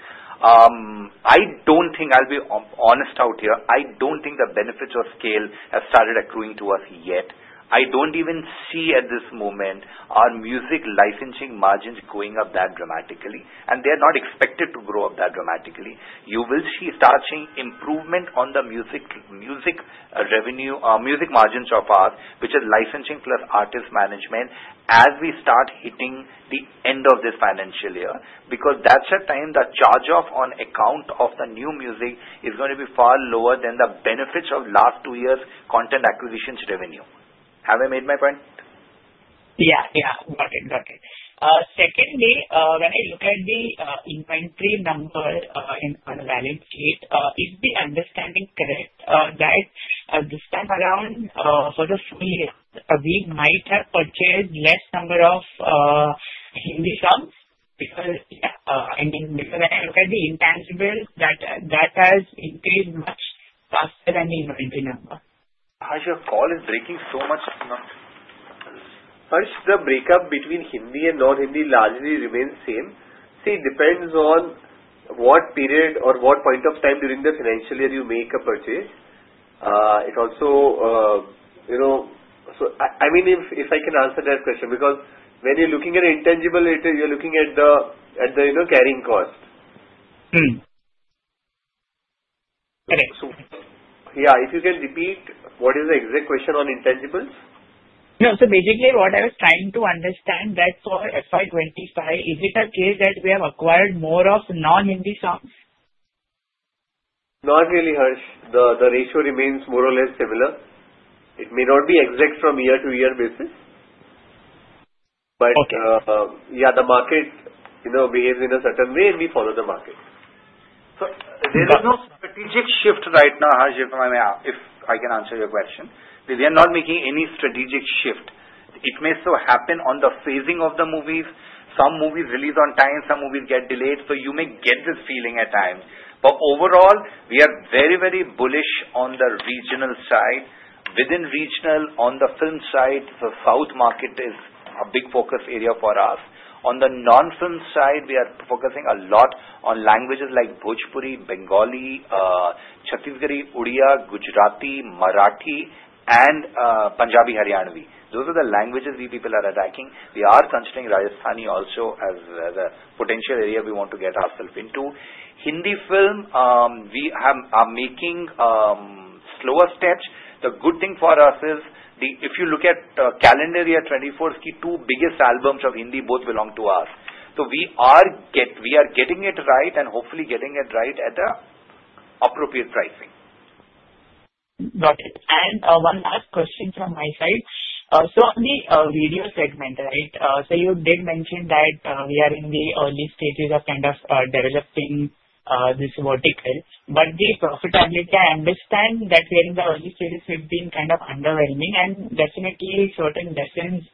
I do not think I will be honest out here. I do not think the benefits of scale have started accruing to us yet. I do not even see at this moment our music licensing margins going up that dramatically, and they are not expected to go up that dramatically. You will see starting improvement on the music revenue, music margins of ours, which is licensing plus artist management as we start hitting the end of this financial year. Because that's a time the charge-off on account of the new music is going to be far lower than the benefits of last two years' content acquisitions revenue. Have I made my point? Yeah. Yeah. Exactly. Exactly. Secondly, when I look at the inventory number in our balance sheet, is the understanding correct that this time around, for the full year, we might have purchased less number of Hindi films? Because, I mean, when I look at the intangibles, that has increased much faster than the inventory number. Harssh, your call is breaking so much. Harssh, the breakup between Hindi and non-Hindi largely remains same. See, it depends on what period or what point of time during the financial year you make a purchase. It also, so I mean, if I can answer that question. Because when you're looking at intangibles, you're looking at the carrying cost. Correct. Yeah. If you can repeat, what is the exact question on intangibles? No. So basically, what I was trying to understand that for FY 2025, is it a case that we have acquired more of non-Hindi films? Not really, Harssh. The ratio remains more or less similar. It may not be exact from year-to-year basis. Yeah, the market behaves in a certain way, and we follow the market. There is no strategic shift right now, Harsh, if I can answer your question. We are not making any strategic shift. It may still happen on the phasing of the movies. Some movies release on time. Some movies get delayed. You may get this feeling at times. Overall, we are very, very bullish on the regional side. Within regional, on the film side, the South market is a big focus area for us. On the non-film side, we are focusing a lot on languages like Bhojpuri, Bengali, Chhattisgarhi, Odia, Gujarati, Marathi, and Punjabi-Haryanvi. Those are the languages we people are attacking. We are considering Rajasthani also as a potential area we want to get ourselves into. Hindi film, we are making slower steps. The good thing for us is, if you look at calendar year 2024, the two biggest albums of Hindi both belong to us. So we are getting it right and hopefully getting it right at the appropriate pricing. Got it. One last question from my side. On the video segment, right, you did mention that we are in the early stages of kind of developing this vertical. The profitability, I understand that we are in the early stages, with being kind of underwhelming. Definitely, certain lessons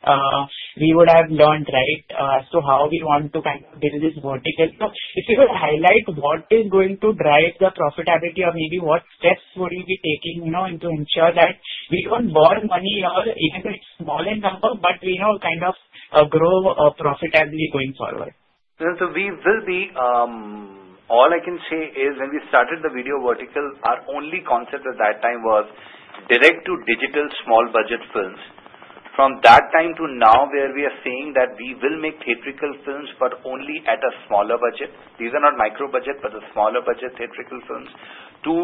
we would have learned, right, as to how we want to kind of build this vertical. If you could highlight what is going to drive the profitability or maybe what steps would you be taking to ensure that we do not burn money or even though it is a smaller number, but we kind of grow profitably going forward? We will be, all I can say is when we started the video vertical, our only concept at that time was direct to digital small-budget films. From that time to now, where we are saying that we will make theatrical films but only at a smaller budget, these are not micro-budget, but a smaller budget theatrical films, to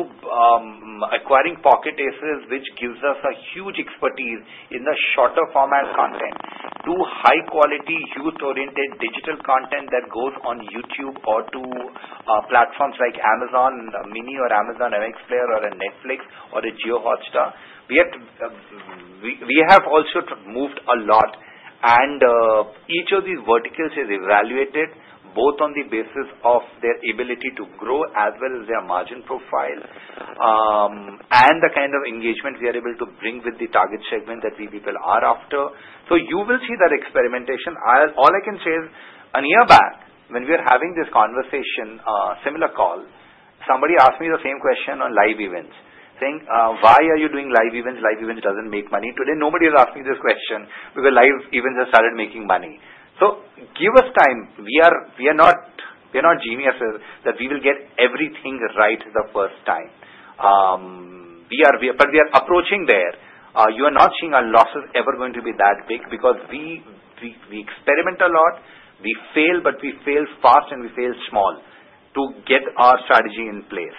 acquiring Pocket Aces, which gives us a huge expertise in the shorter format content, to high-quality, youth-oriented digital content that goes on YouTube or to platforms like Amazon Mini or Amazon MX Player or Netflix or a JioHotstar. We have also moved a lot. Each of these verticals is evaluated both on the basis of their ability to grow as well as their margin profile and the kind of engagement we are able to bring with the target segment that we people are after. You will see that experimentation. All I can say is a year back, when we were having this conversation, similar call, somebody asked me the same question on live events, saying, "Why are you doing live events? Live events doesn't make money." Today, nobody has asked me this question because live events have started making money. Give us time. We are not geniuses that we will get everything right the first time. We are approaching there. You are not seeing our losses ever going to be that big because we experiment a lot. We fail, but we fail fast, and we fail small to get our strategy in place.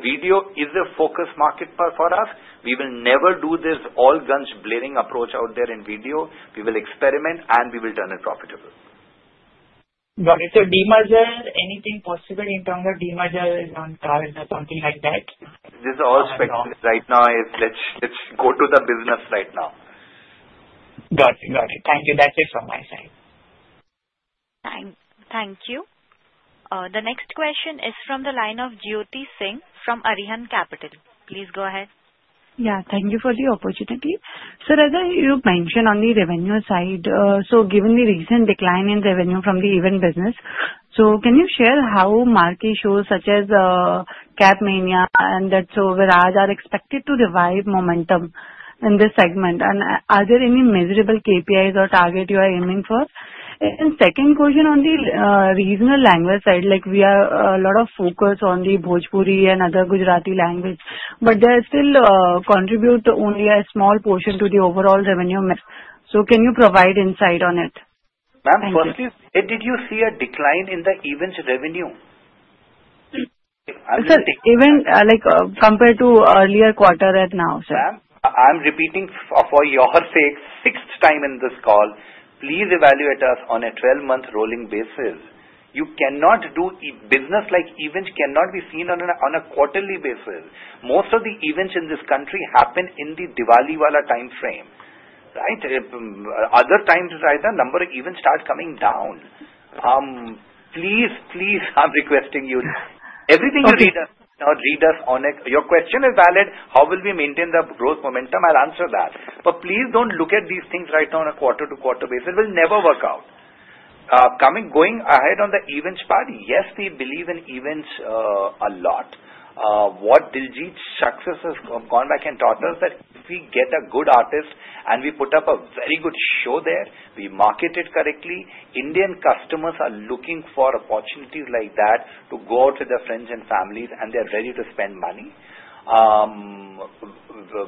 Video is a focus market for us. We will never do this all-guns-blaring approach out there in video. We will experiment, and we will turn it profitable. Got it. Demerger? Anything possible in terms of demerger on Carvaan or something like that? This is all speculation. Right now is let's go to the business right now. Got it. Got it. Thank you. That's it from my side. Thank you. The next question is from the line of Jyoti Singh from Arihant Capital. Please go ahead. Yeah. Thank you for the opportunity. As you mentioned on the revenue side, given the recent decline in revenue from the event business, can you share how market shows such as Cap Mania and that, so Viraj, are expected to revive momentum in this segment? Are there any measurable KPIs or targets you are aiming for? Second question, on the regional language side, we are a lot of focus on the Bhojpuri and other Gujarati language, but they still contribute only a small portion to the overall revenue. Can you provide insight on it? Ma'am, firstly, did you see a decline in the event revenue? It's a decline compared to earlier quarter right now, sir. Ma'am, I'm repeating for your sake, sixth time in this call, please evaluate us on a 12-month rolling basis. You cannot do business like events cannot be seen on a quarterly basis. Most of the events in this country happen in the Diwali-valla time frame, right? Other times, right, the number of events starts coming down. Please, please, I'm requesting you. Everything you read us, your question is valid. How will we maintain the growth momentum? I'll answer that. Please don't look at these things right now on a quarter-to-quarter basis. It will never work out. Going ahead on the events part, yes, we believe in events a lot. What Diljit Shakhsev has gone back and taught us is that if we get a good artist and we put up a very good show there, we market it correctly, Indian customers are looking for opportunities like that to go out with their friends and families, and they're ready to spend money.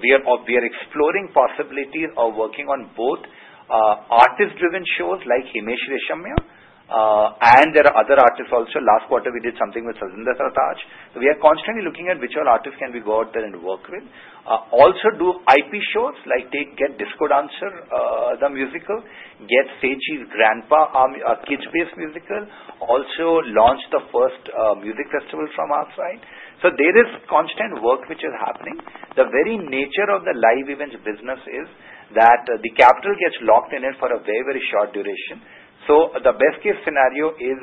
We are exploring possibilities of working on both artist-driven shows like Himesh Reshamya, and there are other artists also. Last quarter, we did something with Satinder Sartaaj. We are constantly looking at which other artists can we go out there and work with. Also do IP shows like get Disco Dancer the musical, get Say Cheese Grandpa kids-based musical, also launch the first music festival from outside. There is constant work which is happening. The very nature of the live events business is that the capital gets locked in it for a very, very short duration. The best-case scenario is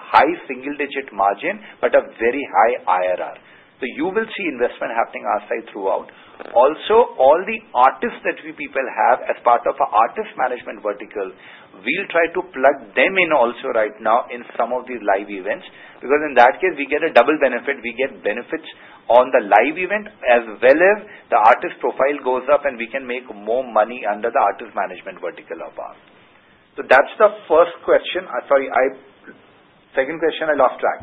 high single-digit margin but a very high IRR. You will see investment happening our side throughout. Also, all the artists that we have as part of our artist management vertical, we'll try to plug them in also right now in some of these live events. In that case, we get a double benefit. We get benefits on the live event as well as the artist profile goes up, and we can make more money under the artist management vertical of ours. That's the first question. Sorry, second question, I lost track.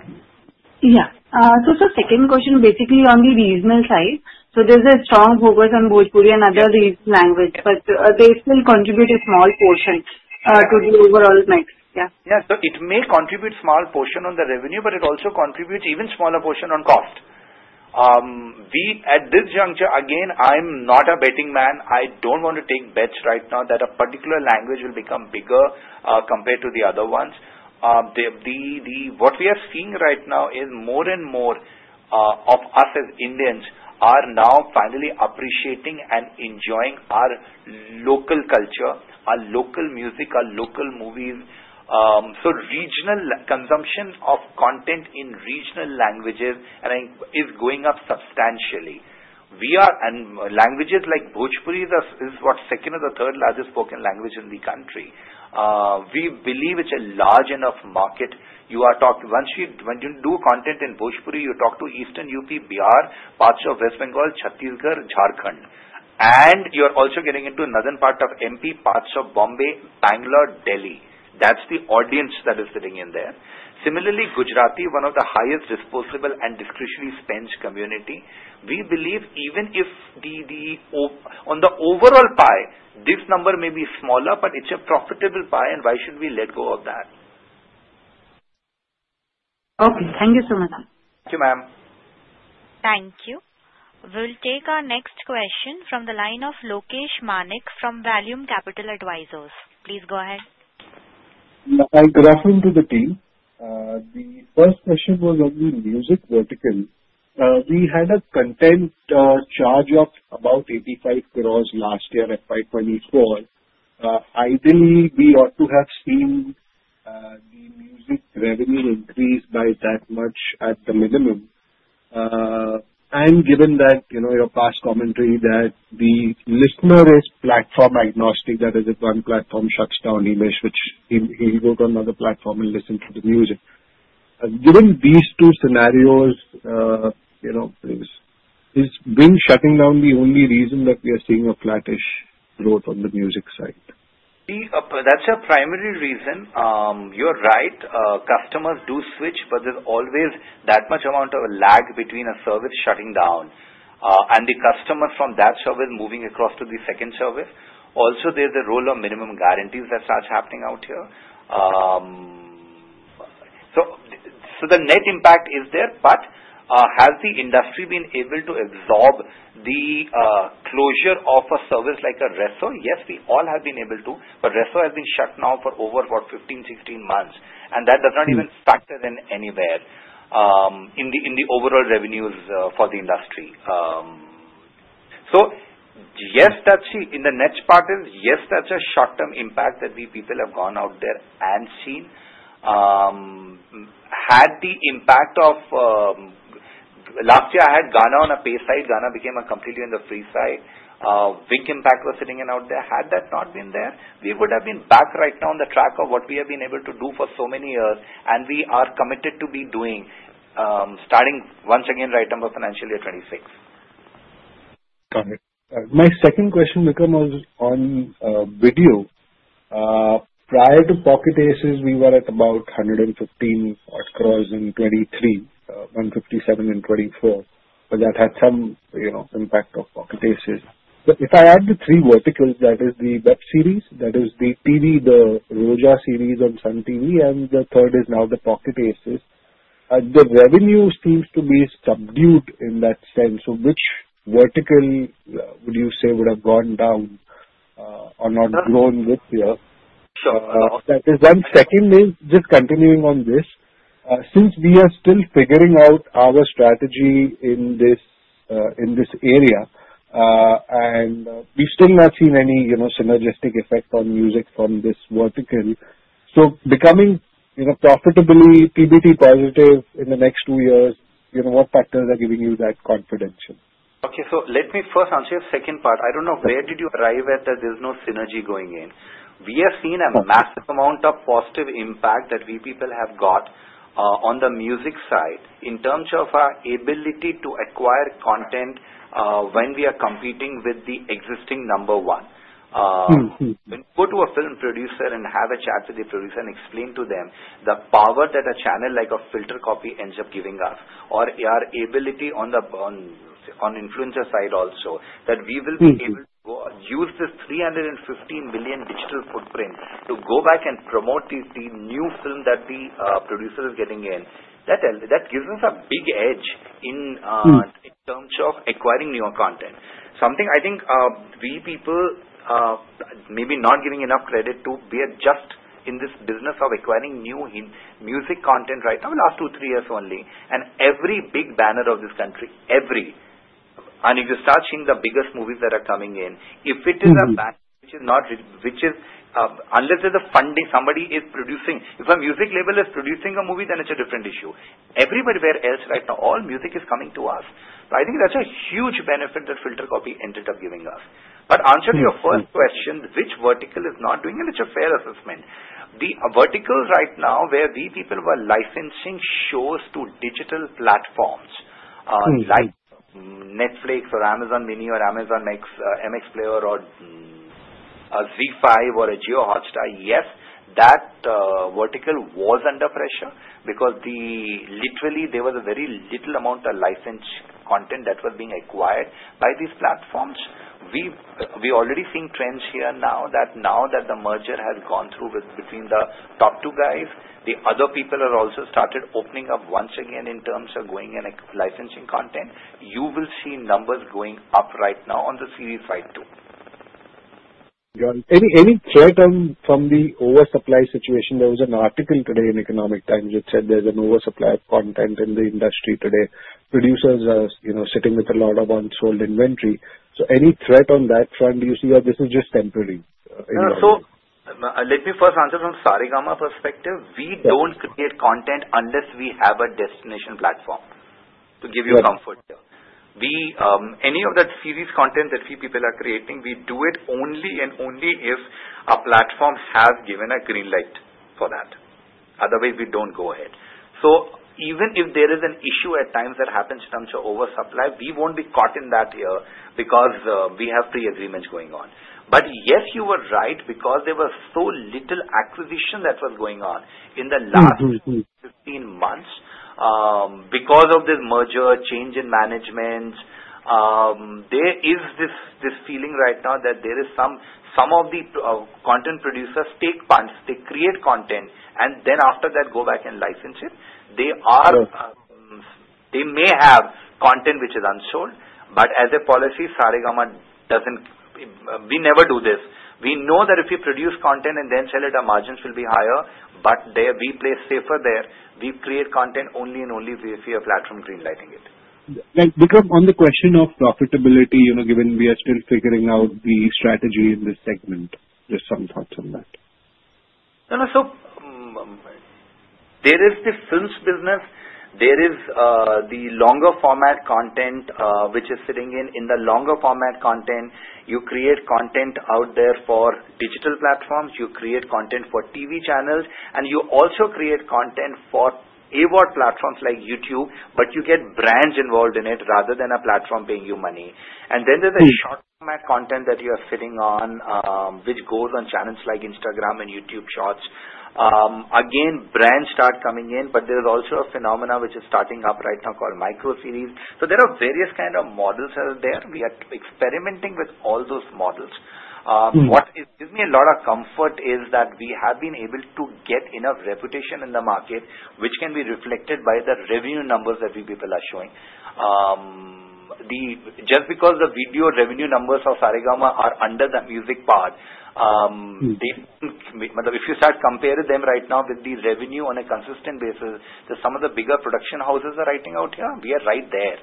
Yeah. The second question, basically on the regional side, there's a strong focus on Bhojpuri and other regional languages, but they still contribute a small portion to the overall mix. Yeah. Yeah. It may contribute a small portion on the revenue, but it also contributes even a smaller portion on cost. At this juncture, again, I'm not a betting man. I don't want to take bets right now that a particular language will become bigger compared to the other ones. What we are seeing right now is more and more of us as Indians are now finally appreciating and enjoying our local culture, our local music, our local movies. Regional consumption of content in regional languages is going up substantially. Languages like Bhojpuri is what, second or the third largest spoken language in the country. We believe it's a large enough market. Once you do content in Bhojpuri, you talk to eastern Uttar Pradesh, Bihar, parts of West Bengal, Chhattisgarh, Jharkhand. You're also getting into northern part of Madhya Pradesh, parts of Mumbai, Bangalore, Delhi. That's the audience that is sitting in there. Similarly, Gujarati, one of the highest disposable and discretionary spend community. We believe even if on the overall pie, this number may be smaller, but it's a profitable pie, and why should we let go of that? Okay. Thank you so much. Thank you, ma'am. Thank you. We'll take our next question from the line of Lokesh Manik from Vallum Capital Advisors. Please go ahead. I'll go off into the team. The first question was on the music vertical. We had a content charge-off about 85 crore last year at 524 crore. Ideally, we ought to have seen the music revenue increase by that much at the minimum. And given that your past commentary that the listener is platform agnostic, that is, if one platform shuts down, Himesh, he'll go to another platform and listen to the music. Given these two scenarios, is shutting down the only reason that we are seeing a flattish growth on the music side? That's a primary reason. You're right. Customers do switch, but there's always that much amount of lag between a service shutting down and the customers from that service moving across to the second service. Also, there's a role of minimum guarantees that starts happening out here. The net impact is there, but has the industry been able to absorb the closure of a service like Resso? Yes, we all have been able to, but Resso has been shut now for over, what, 15, 16 months. That does not even factor in anywhere in the overall revenues for the industry. Yes, that's the net part. Yes, that's a short-term impact that we people have gone out there and seen. Had the impact of last year, I had Gaana on a pay side. Gaana became completely on the free side. Big impact was sitting in out there. Had that not been there, we would have been back right now on the track of what we have been able to do for so many years, and we are committed to be doing starting once again right now for financial year 2026. Got it. My second question becomes on video. Prior to Pocket Aces, we were at about 115 crore in 2023, 157 crore in 2024. But that had some impact of Pocket Aces. If I add the three verticals, that is the web series, that is the TV, the Roja series on Sun TV, and the third is now the Pocket Aces, the revenue seems to be subdued in that sense. Which vertical would you say would have gone down or not grown this year? That is one. Second, just continuing on this, since we are still figuring out our strategy in this area, and we have still not seen any synergistic effect on music from this vertical, so becoming profitably PBT positive in the next two years, what factors are giving you that confidence? Okay. Let me first answer your second part. I do not know where you arrived at that there is no synergy going in. We have seen a massive amount of positive impact that we have got on the music side in terms of our ability to acquire content when we are competing with the existing number one When you go to a film producer and have a chat with the producer and explain to them the power that a channel like Filter Copy ends up giving us or our ability on the influencer side also, that we will be able to use this 315 million digital footprint to go back and promote the new film that the producer is getting in, that gives us a big edge in terms of acquiring newer content. Something I think we people may be not giving enough credit to, we are just in this business of acquiring new music content right now, the last two, three years only. Every big banner of this country, every—and if you start seeing the biggest movies that are coming in, if it is a banner which is not—unless there is a funding, somebody is producing. If a music label is producing a movie, then it's a different issue. Everywhere else right now, all music is coming to us. I think that's a huge benefit that Filter Copy ended up giving us. Answering your first question, which vertical is not doing it, it's a fair assessment. The verticals right now where we were licensing shows to digital platforms like Netflix or Amazon Mini or Amazon MX Player or ZEE5 or JioHotstar, yes, that vertical was under pressure because literally there was a very little amount of licensed content that was being acquired by these platforms. We're already seeing trends here now that the merger has gone through between the top two guys, the other people have also started opening up once again in terms of going and licensing content. You will see numbers going up right now on the series side too. Got it. Any threat from the oversupply situation? There was an article today in Economic Times that said there's an oversupply of content in the industry today. Producers are sitting with a lot of unsold inventory. Any threat on that front? Do you see that this is just temporary? Let me first answer from Saregama perspective. We don't create content unless we have a destination platform to give you comfort. Any of that series content that we people are creating, we do it only and only if a platform has given a green light for that. Otherwise, we don't go ahead. Even if there is an issue at times that happens in terms of oversupply, we won't be caught in that here because we have pre-agreements going on. Yes, you were right because there was so little acquisition that was going on in the last 15 months because of this merger, change in management. There is this feeling right now that some of the content producers take parts, they create content, and then after that go back and license it. They may have content which is unsold, but as a policy, Saregama doesn't—we never do this. We know that if we produce content and then sell it, our margins will be higher, but we play safer there. We create content only and only if we have a platform greenlighting it. Because on the question of profitability, given we are still figuring out the strategy in this segment, just some thoughts on that. There is the films business. There is the longer format content which is sitting in. In the longer format content, you create content out there for digital platforms. You create content for TV channels, and you also create content for award platforms like YouTube, but you get brands involved in it rather than a platform paying you money. There is a short format content that you are sitting on which goes on channels like Instagram and YouTube Shorts. Again, brands start coming in, but there is also a phenomena which is starting up right now called micro series. There are various kinds of models out there. We are experimenting with all those models. What gives me a lot of comfort is that we have been able to get enough reputation in the market, which can be reflected by the revenue numbers that we people are showing. Just because the video revenue numbers of Saregama are under the music part, if you start comparing them right now with the revenue on a consistent basis, some of the bigger production houses are writing out here. We are right there.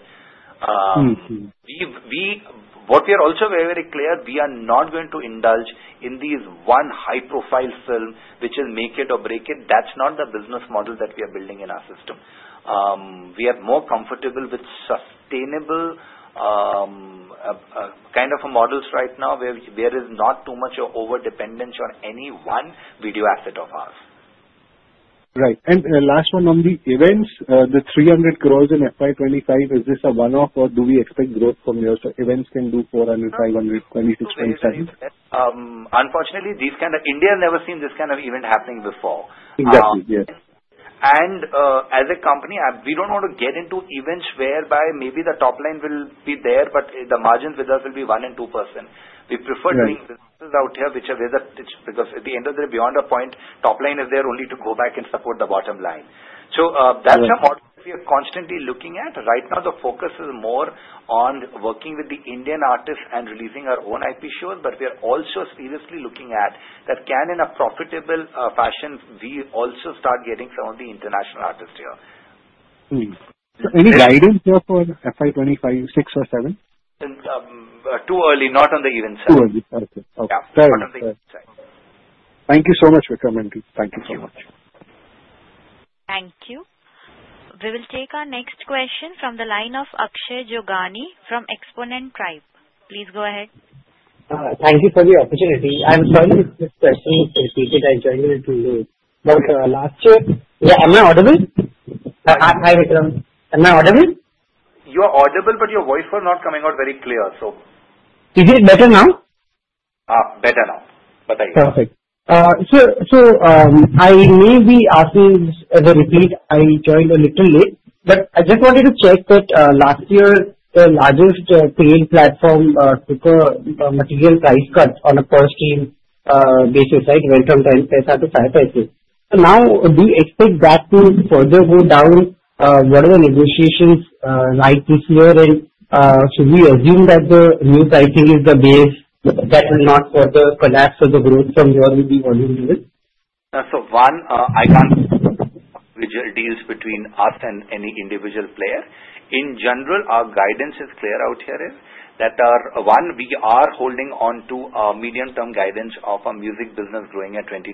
What we are also very, very clear, we are not going to indulge in this one high-profile film which is make it or break it. That's not the business model that we are building in our system. We are more comfortable with sustainable kind of models right now where there is not too much over-dependence on any one video asset of ours. Right. Last one on the events, the 300 crore in FY2025, is this a one-off or do we expect growth from your events can do 400 crore, 500 crore, 26.7? Unfortunately, these kinds of India has never seen this kind of event happening before. Exactly. As a company, we do not want to get into events whereby maybe the top line will be there, but the margins with us will be 1% and 2%. We prefer doing businesses out here which are where the—because at the end of the day, beyond a point, top line is there only to go back and support the bottom line. That is a model that we are constantly looking at. Right now, the focus is more on working with the Indian artists and releasing our own IP shows, but we are also seriously looking at that can in a profitable fashion, we also start getting some of the international artists here. Any guidance here for FY 2025, 2026 or 2027? Too early, not on the event side. Too early. Okay. Got it. Not on the event side. Thank you so much for coming to. Thank you so much. Thank you. We will take our next question from the line of Akshay Jogani from Exponent Tribe. Please go ahead. Thank you for the opportunity. I'm sorry if this session is repeated. I joined a little late. Last year, yeah, am I audible? Hi, Vikram. Am I audible? You are audible, but your voice was not coming out very clear. Is it better now? Better now. Perfect. I may be asking as a repeat. I joined a little late, but I just wanted to check that last year, the largest paying platform took a material price cut on a per-stream basis, right? It went from INR 0.10-INR 0.05. Now, do you expect that to further go down? What are the negotiations right this year? Should we assume that the new pricing is the base that will not further collapse the growth from where we were in the year? One, I can't. Which deals between us and any individual player. In general, our guidance is clear out here is that, one, we are holding on to a medium-term guidance of a music business growing at 22%-23%.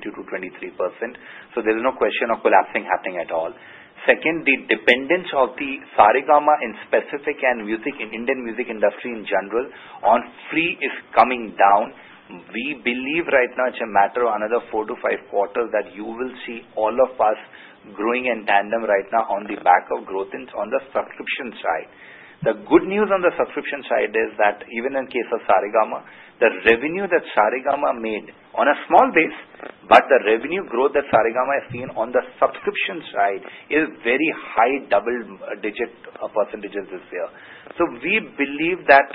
There is no question of collapsing happening at all. Second, the dependence of Saregama in specific and Indian music industry in general on free is coming down. We believe right now it's a matter of another four to five quarters that you will see all of us growing in tandem right now on the back of growth on the subscription side. The good news on the subscription side is that even in case of Saregama, the revenue that Saregama made on a small base, but the revenue growth that Saregama has seen on the subscription side is very high, double-digit percentage this year. We believe that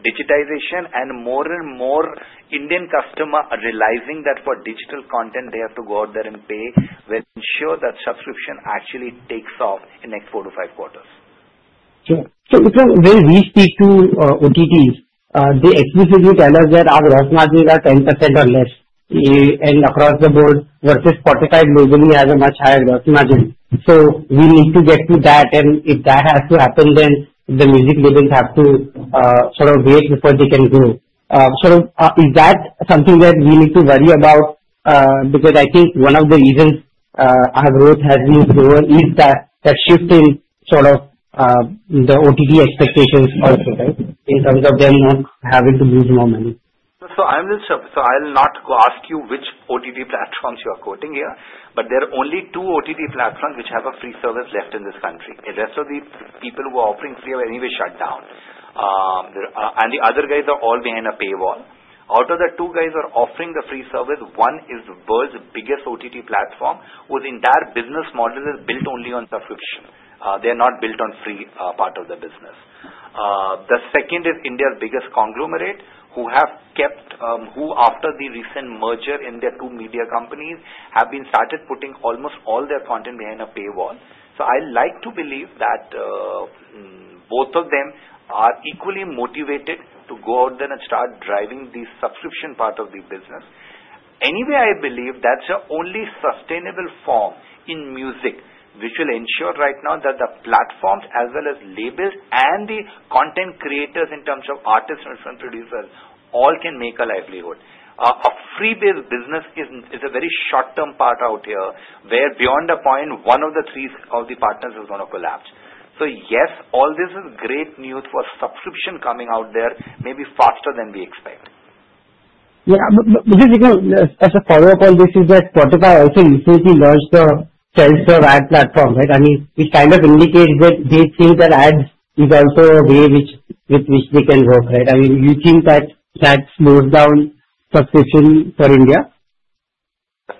digitization and more and more Indian customers are realizing that for digital content, they have to go out there and pay. We'll ensure that subscription actually takes off in the next four to five quarters. Sure. Vikram, when we speak to OTTs, they explicitly tell us that our gross margins are 10% or less across the board versus Spotify globally has a much higher gross margin. We need to get to that, and if that has to happen, then the music labels have to sort of wait before they can grow. Is that something that we need to worry about? Because I think one of the reasons our growth has been slower is that shift in sort of the OTT expectations also, right, in terms of them not having to lose more money. I'll not go ask you which OTT platforms you are quoting here, but there are only two OTT platforms which have a free service left in this country. The rest of the people who are offering free have anyway shut down. The other guys are all behind a paywall. Out of the two guys who are offering the free service, one is the world's biggest OTT platform whose entire business model is built only on subscription. They are not built on free part of the business. The second is India's biggest conglomerate who have kept, who after the recent merger in their two media companies have been started putting almost all their content behind a paywall. I would like to believe that both of them are equally motivated to go out there and start driving the subscription part of the business. Anyway, I believe that's the only sustainable form in music which will ensure right now that the platforms as well as labels and the content creators in terms of artists and film producers all can make a livelihood. A free-based business is a very short-term part out here where beyond a point, one of the three of the partners is going to collapse. Yes, all this is great news for subscription coming out there maybe faster than we expect. Yeah. But Vikram, as a follow-up on this is that Spotify also recently launched the self-serve ad platform, right? I mean, which kind of indicates that they think that ads is also a way with which they can work, right? I mean, do you think that that slows down subscription for India?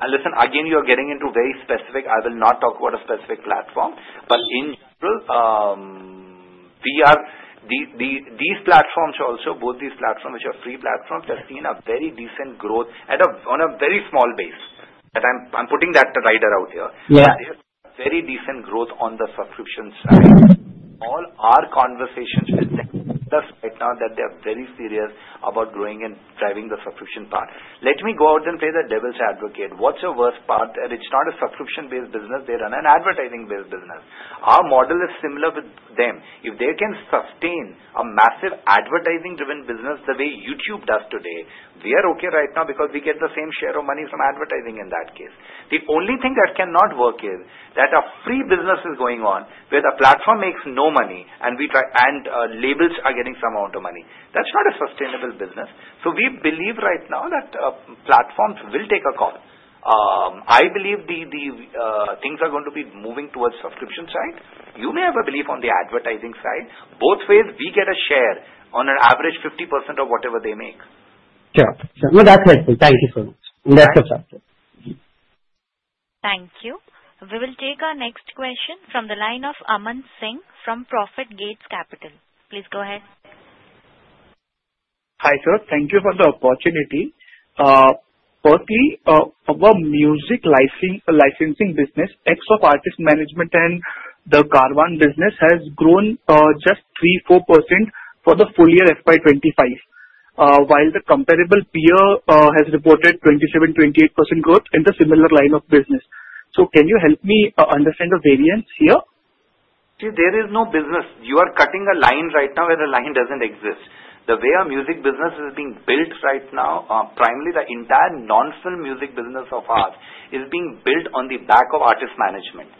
Listen, again, you are getting into very specific. I will not talk about a specific platform. In general, these platforms also, both these platforms which are free platforms, they're seeing a very decent growth on a very small base. I'm putting that rider out here. They have very decent growth on the subscription side. All our conversations with them tell us right now that they are very serious about growing and driving the subscription part. Let me go out and play the devil's advocate. What's the worst part? It's not a subscription-based business. They run an advertising-based business. Our model is similar with them. If they can sustain a massive advertising-driven business the way YouTube does today, we are okay right now because we get the same share of money from advertising in that case. The only thing that cannot work is that a free business is going on where the platform makes no money and labels are getting some amount of money. That's not a sustainable business. We believe right now that platforms will take a call. I believe the things are going to be moving towards subscription side. You may have a belief on the advertising side. Both ways, we get a share on an average 50% of whatever they make. Yeah. No, that's helpful. Thank you so much. That's a factor. Thank you. We will take our next question from the line of Amansingh from ProfiGates Capital. Please go ahead. Hi sir. Thank you for the opportunity. Firstly, our music licensing business, X of artist management and the Carvaan business has grown just 3%-4% for the full year FY 2025, while the comparable peer has reported 27%-28% growth in the similar line of business. Can you help me understand the variance here? See, there is no business. You are cutting a line right now where the line does not exist. The way our music business is being built right now, primarily the entire non-film music business of ours is being built on the back of artist management.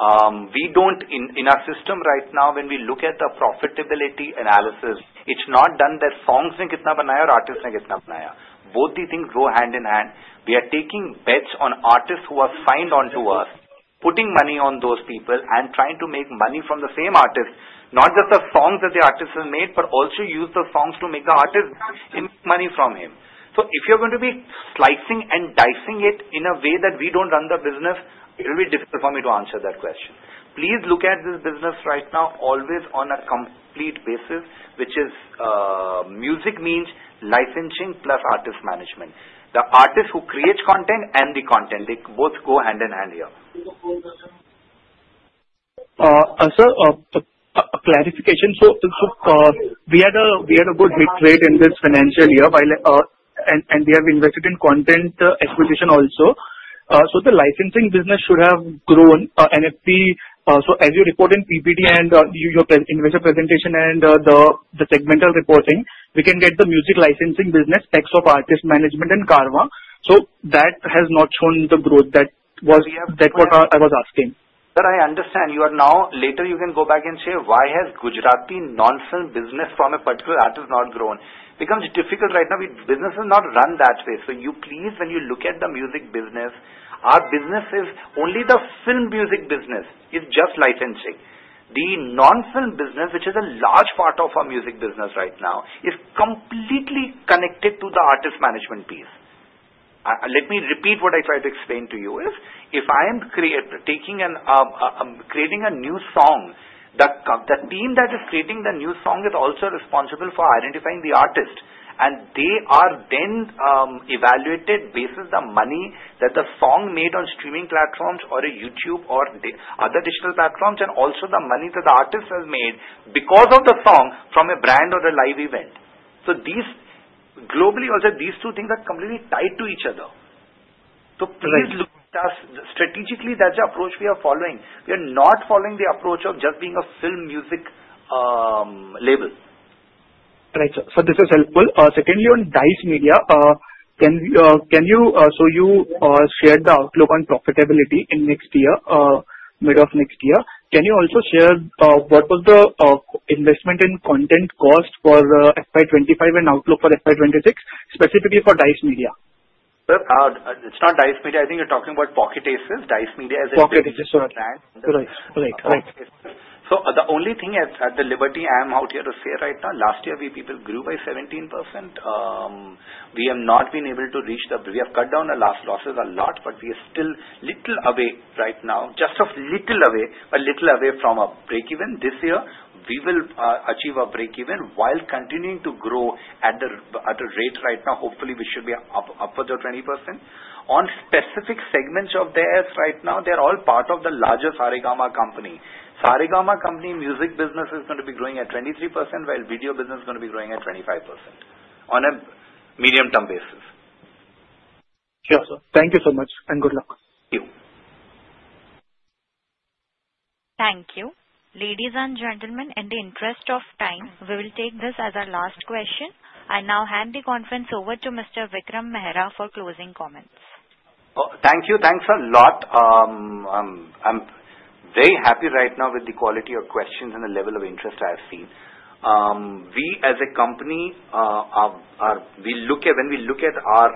In our system right now, when we look at the profitability analysis, it is not done that songs need to be made and artists need to be made. Both these things go hand in hand. We are taking bets on artists who are signed onto us, putting money on those people, and trying to make money from the same artist. Not just the songs that the artist has made, but also use the songs to make the artist make money from him. If you're going to be slicing and dicing it in a way that we don't run the business, it will be difficult for me to answer that question. Please look at this business right now always on a complete basis, which is music means licensing plus artist management. The artist who creates content and the content, they both go hand in hand here. Sir, a clarification. We had a good hit rate in this financial year, and we have invested in content acquisition also. The licensing business should have grown. As you report in PPD and your investor presentation and the segmental reporting, we can get the music licensing business, X of artist management and Carvaan. That has not shown the growth that I was asking. Sir, I understand. Later you can go back and say, "Why has Gujarati non-film business from a particular artist not grown?" It becomes difficult right now. Business is not run that way. Please, when you look at the music business, our business is only the film music business. It's just licensing. The non-film business, which is a large part of our music business right now, is completely connected to the artist management piece. Let me repeat what I tried to explain to you is, if I'm creating a new song, the team that is creating the new song is also responsible for identifying the artist. They are then evaluated based on the money that the song made on streaming platforms or YouTube or other digital platforms and also the money that the artist has made because of the song from a brand or a live event. Globally, these two things are completely tied to each other. Please look at us strategically. That's the approach we are following. We are not following the approach of just being a film music label. Right. This is helpful. Secondly, on DICE, can you share the outlook on profitability in mid of next year? Can you also share what was the investment in content cost for FY 2025 and outlook for FY 2026, specifically for DICE? Sir, it's not DICE. I think you're talking about Pocket Aces. DICE is a different brand. Right. Right. The only thing at the liberty I am out here to say right now, last year, we grew by 17%. We have not been able to reach the—we have cut down our losses a lot, but we are still a little away right now, just a little away, a little away from a breakeven. This year, we will achieve a breakeven while continuing to grow at a rate right now. Hopefully, we should be upwards of 20%. On specific segments of theirs right now, they are all part of the larger Saregama company. Saregama company music business is going to be growing at 23%, while video business is going to be growing at 25% on a medium-term basis. Sure, sir. Thank you so much. Good luck. Thank you. Thank you. Ladies and gentlemen, in the interest of time, we will take this as our last question. I now hand the conference over to Mr. Vikram Mehra for closing comments. Thank you. Thanks a lot. I'm very happy right now with the quality of questions and the level of interest I have seen. We, as a company, when we look at our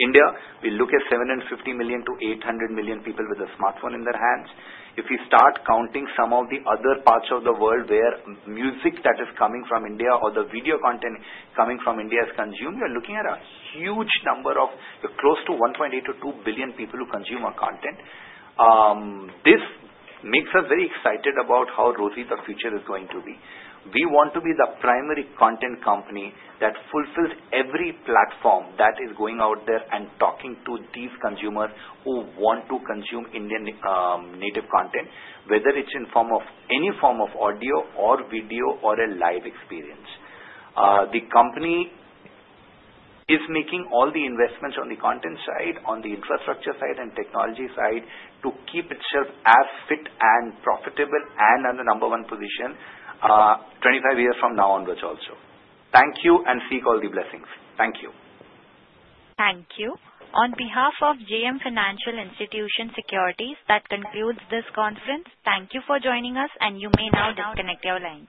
India, we look at 750 million-800 million people with a smartphone in their hands. If we start counting some of the other parts of the world where music that is coming from India or the video content coming from India is consumed, you're looking at a huge number of close to 1.8 billion-2 billion people who consume our content. This makes us very excited about how rosy the future is going to be. We want to be the primary content company that fulfills every platform that is going out there and talking to these consumers who want to consume Indian native content, whether it's in any form of audio or video or a live experience. The company is making all the investments on the content side, on the infrastructure side, and technology side to keep itself as fit and profitable and in the number one position 25 years from now onwards also. Thank you and seek all the blessings. Thank you. Thank you. On behalf of JM Financial Institutional Securities Limited, that concludes this conference. Thank you for joining us, and you may now disconnect your line.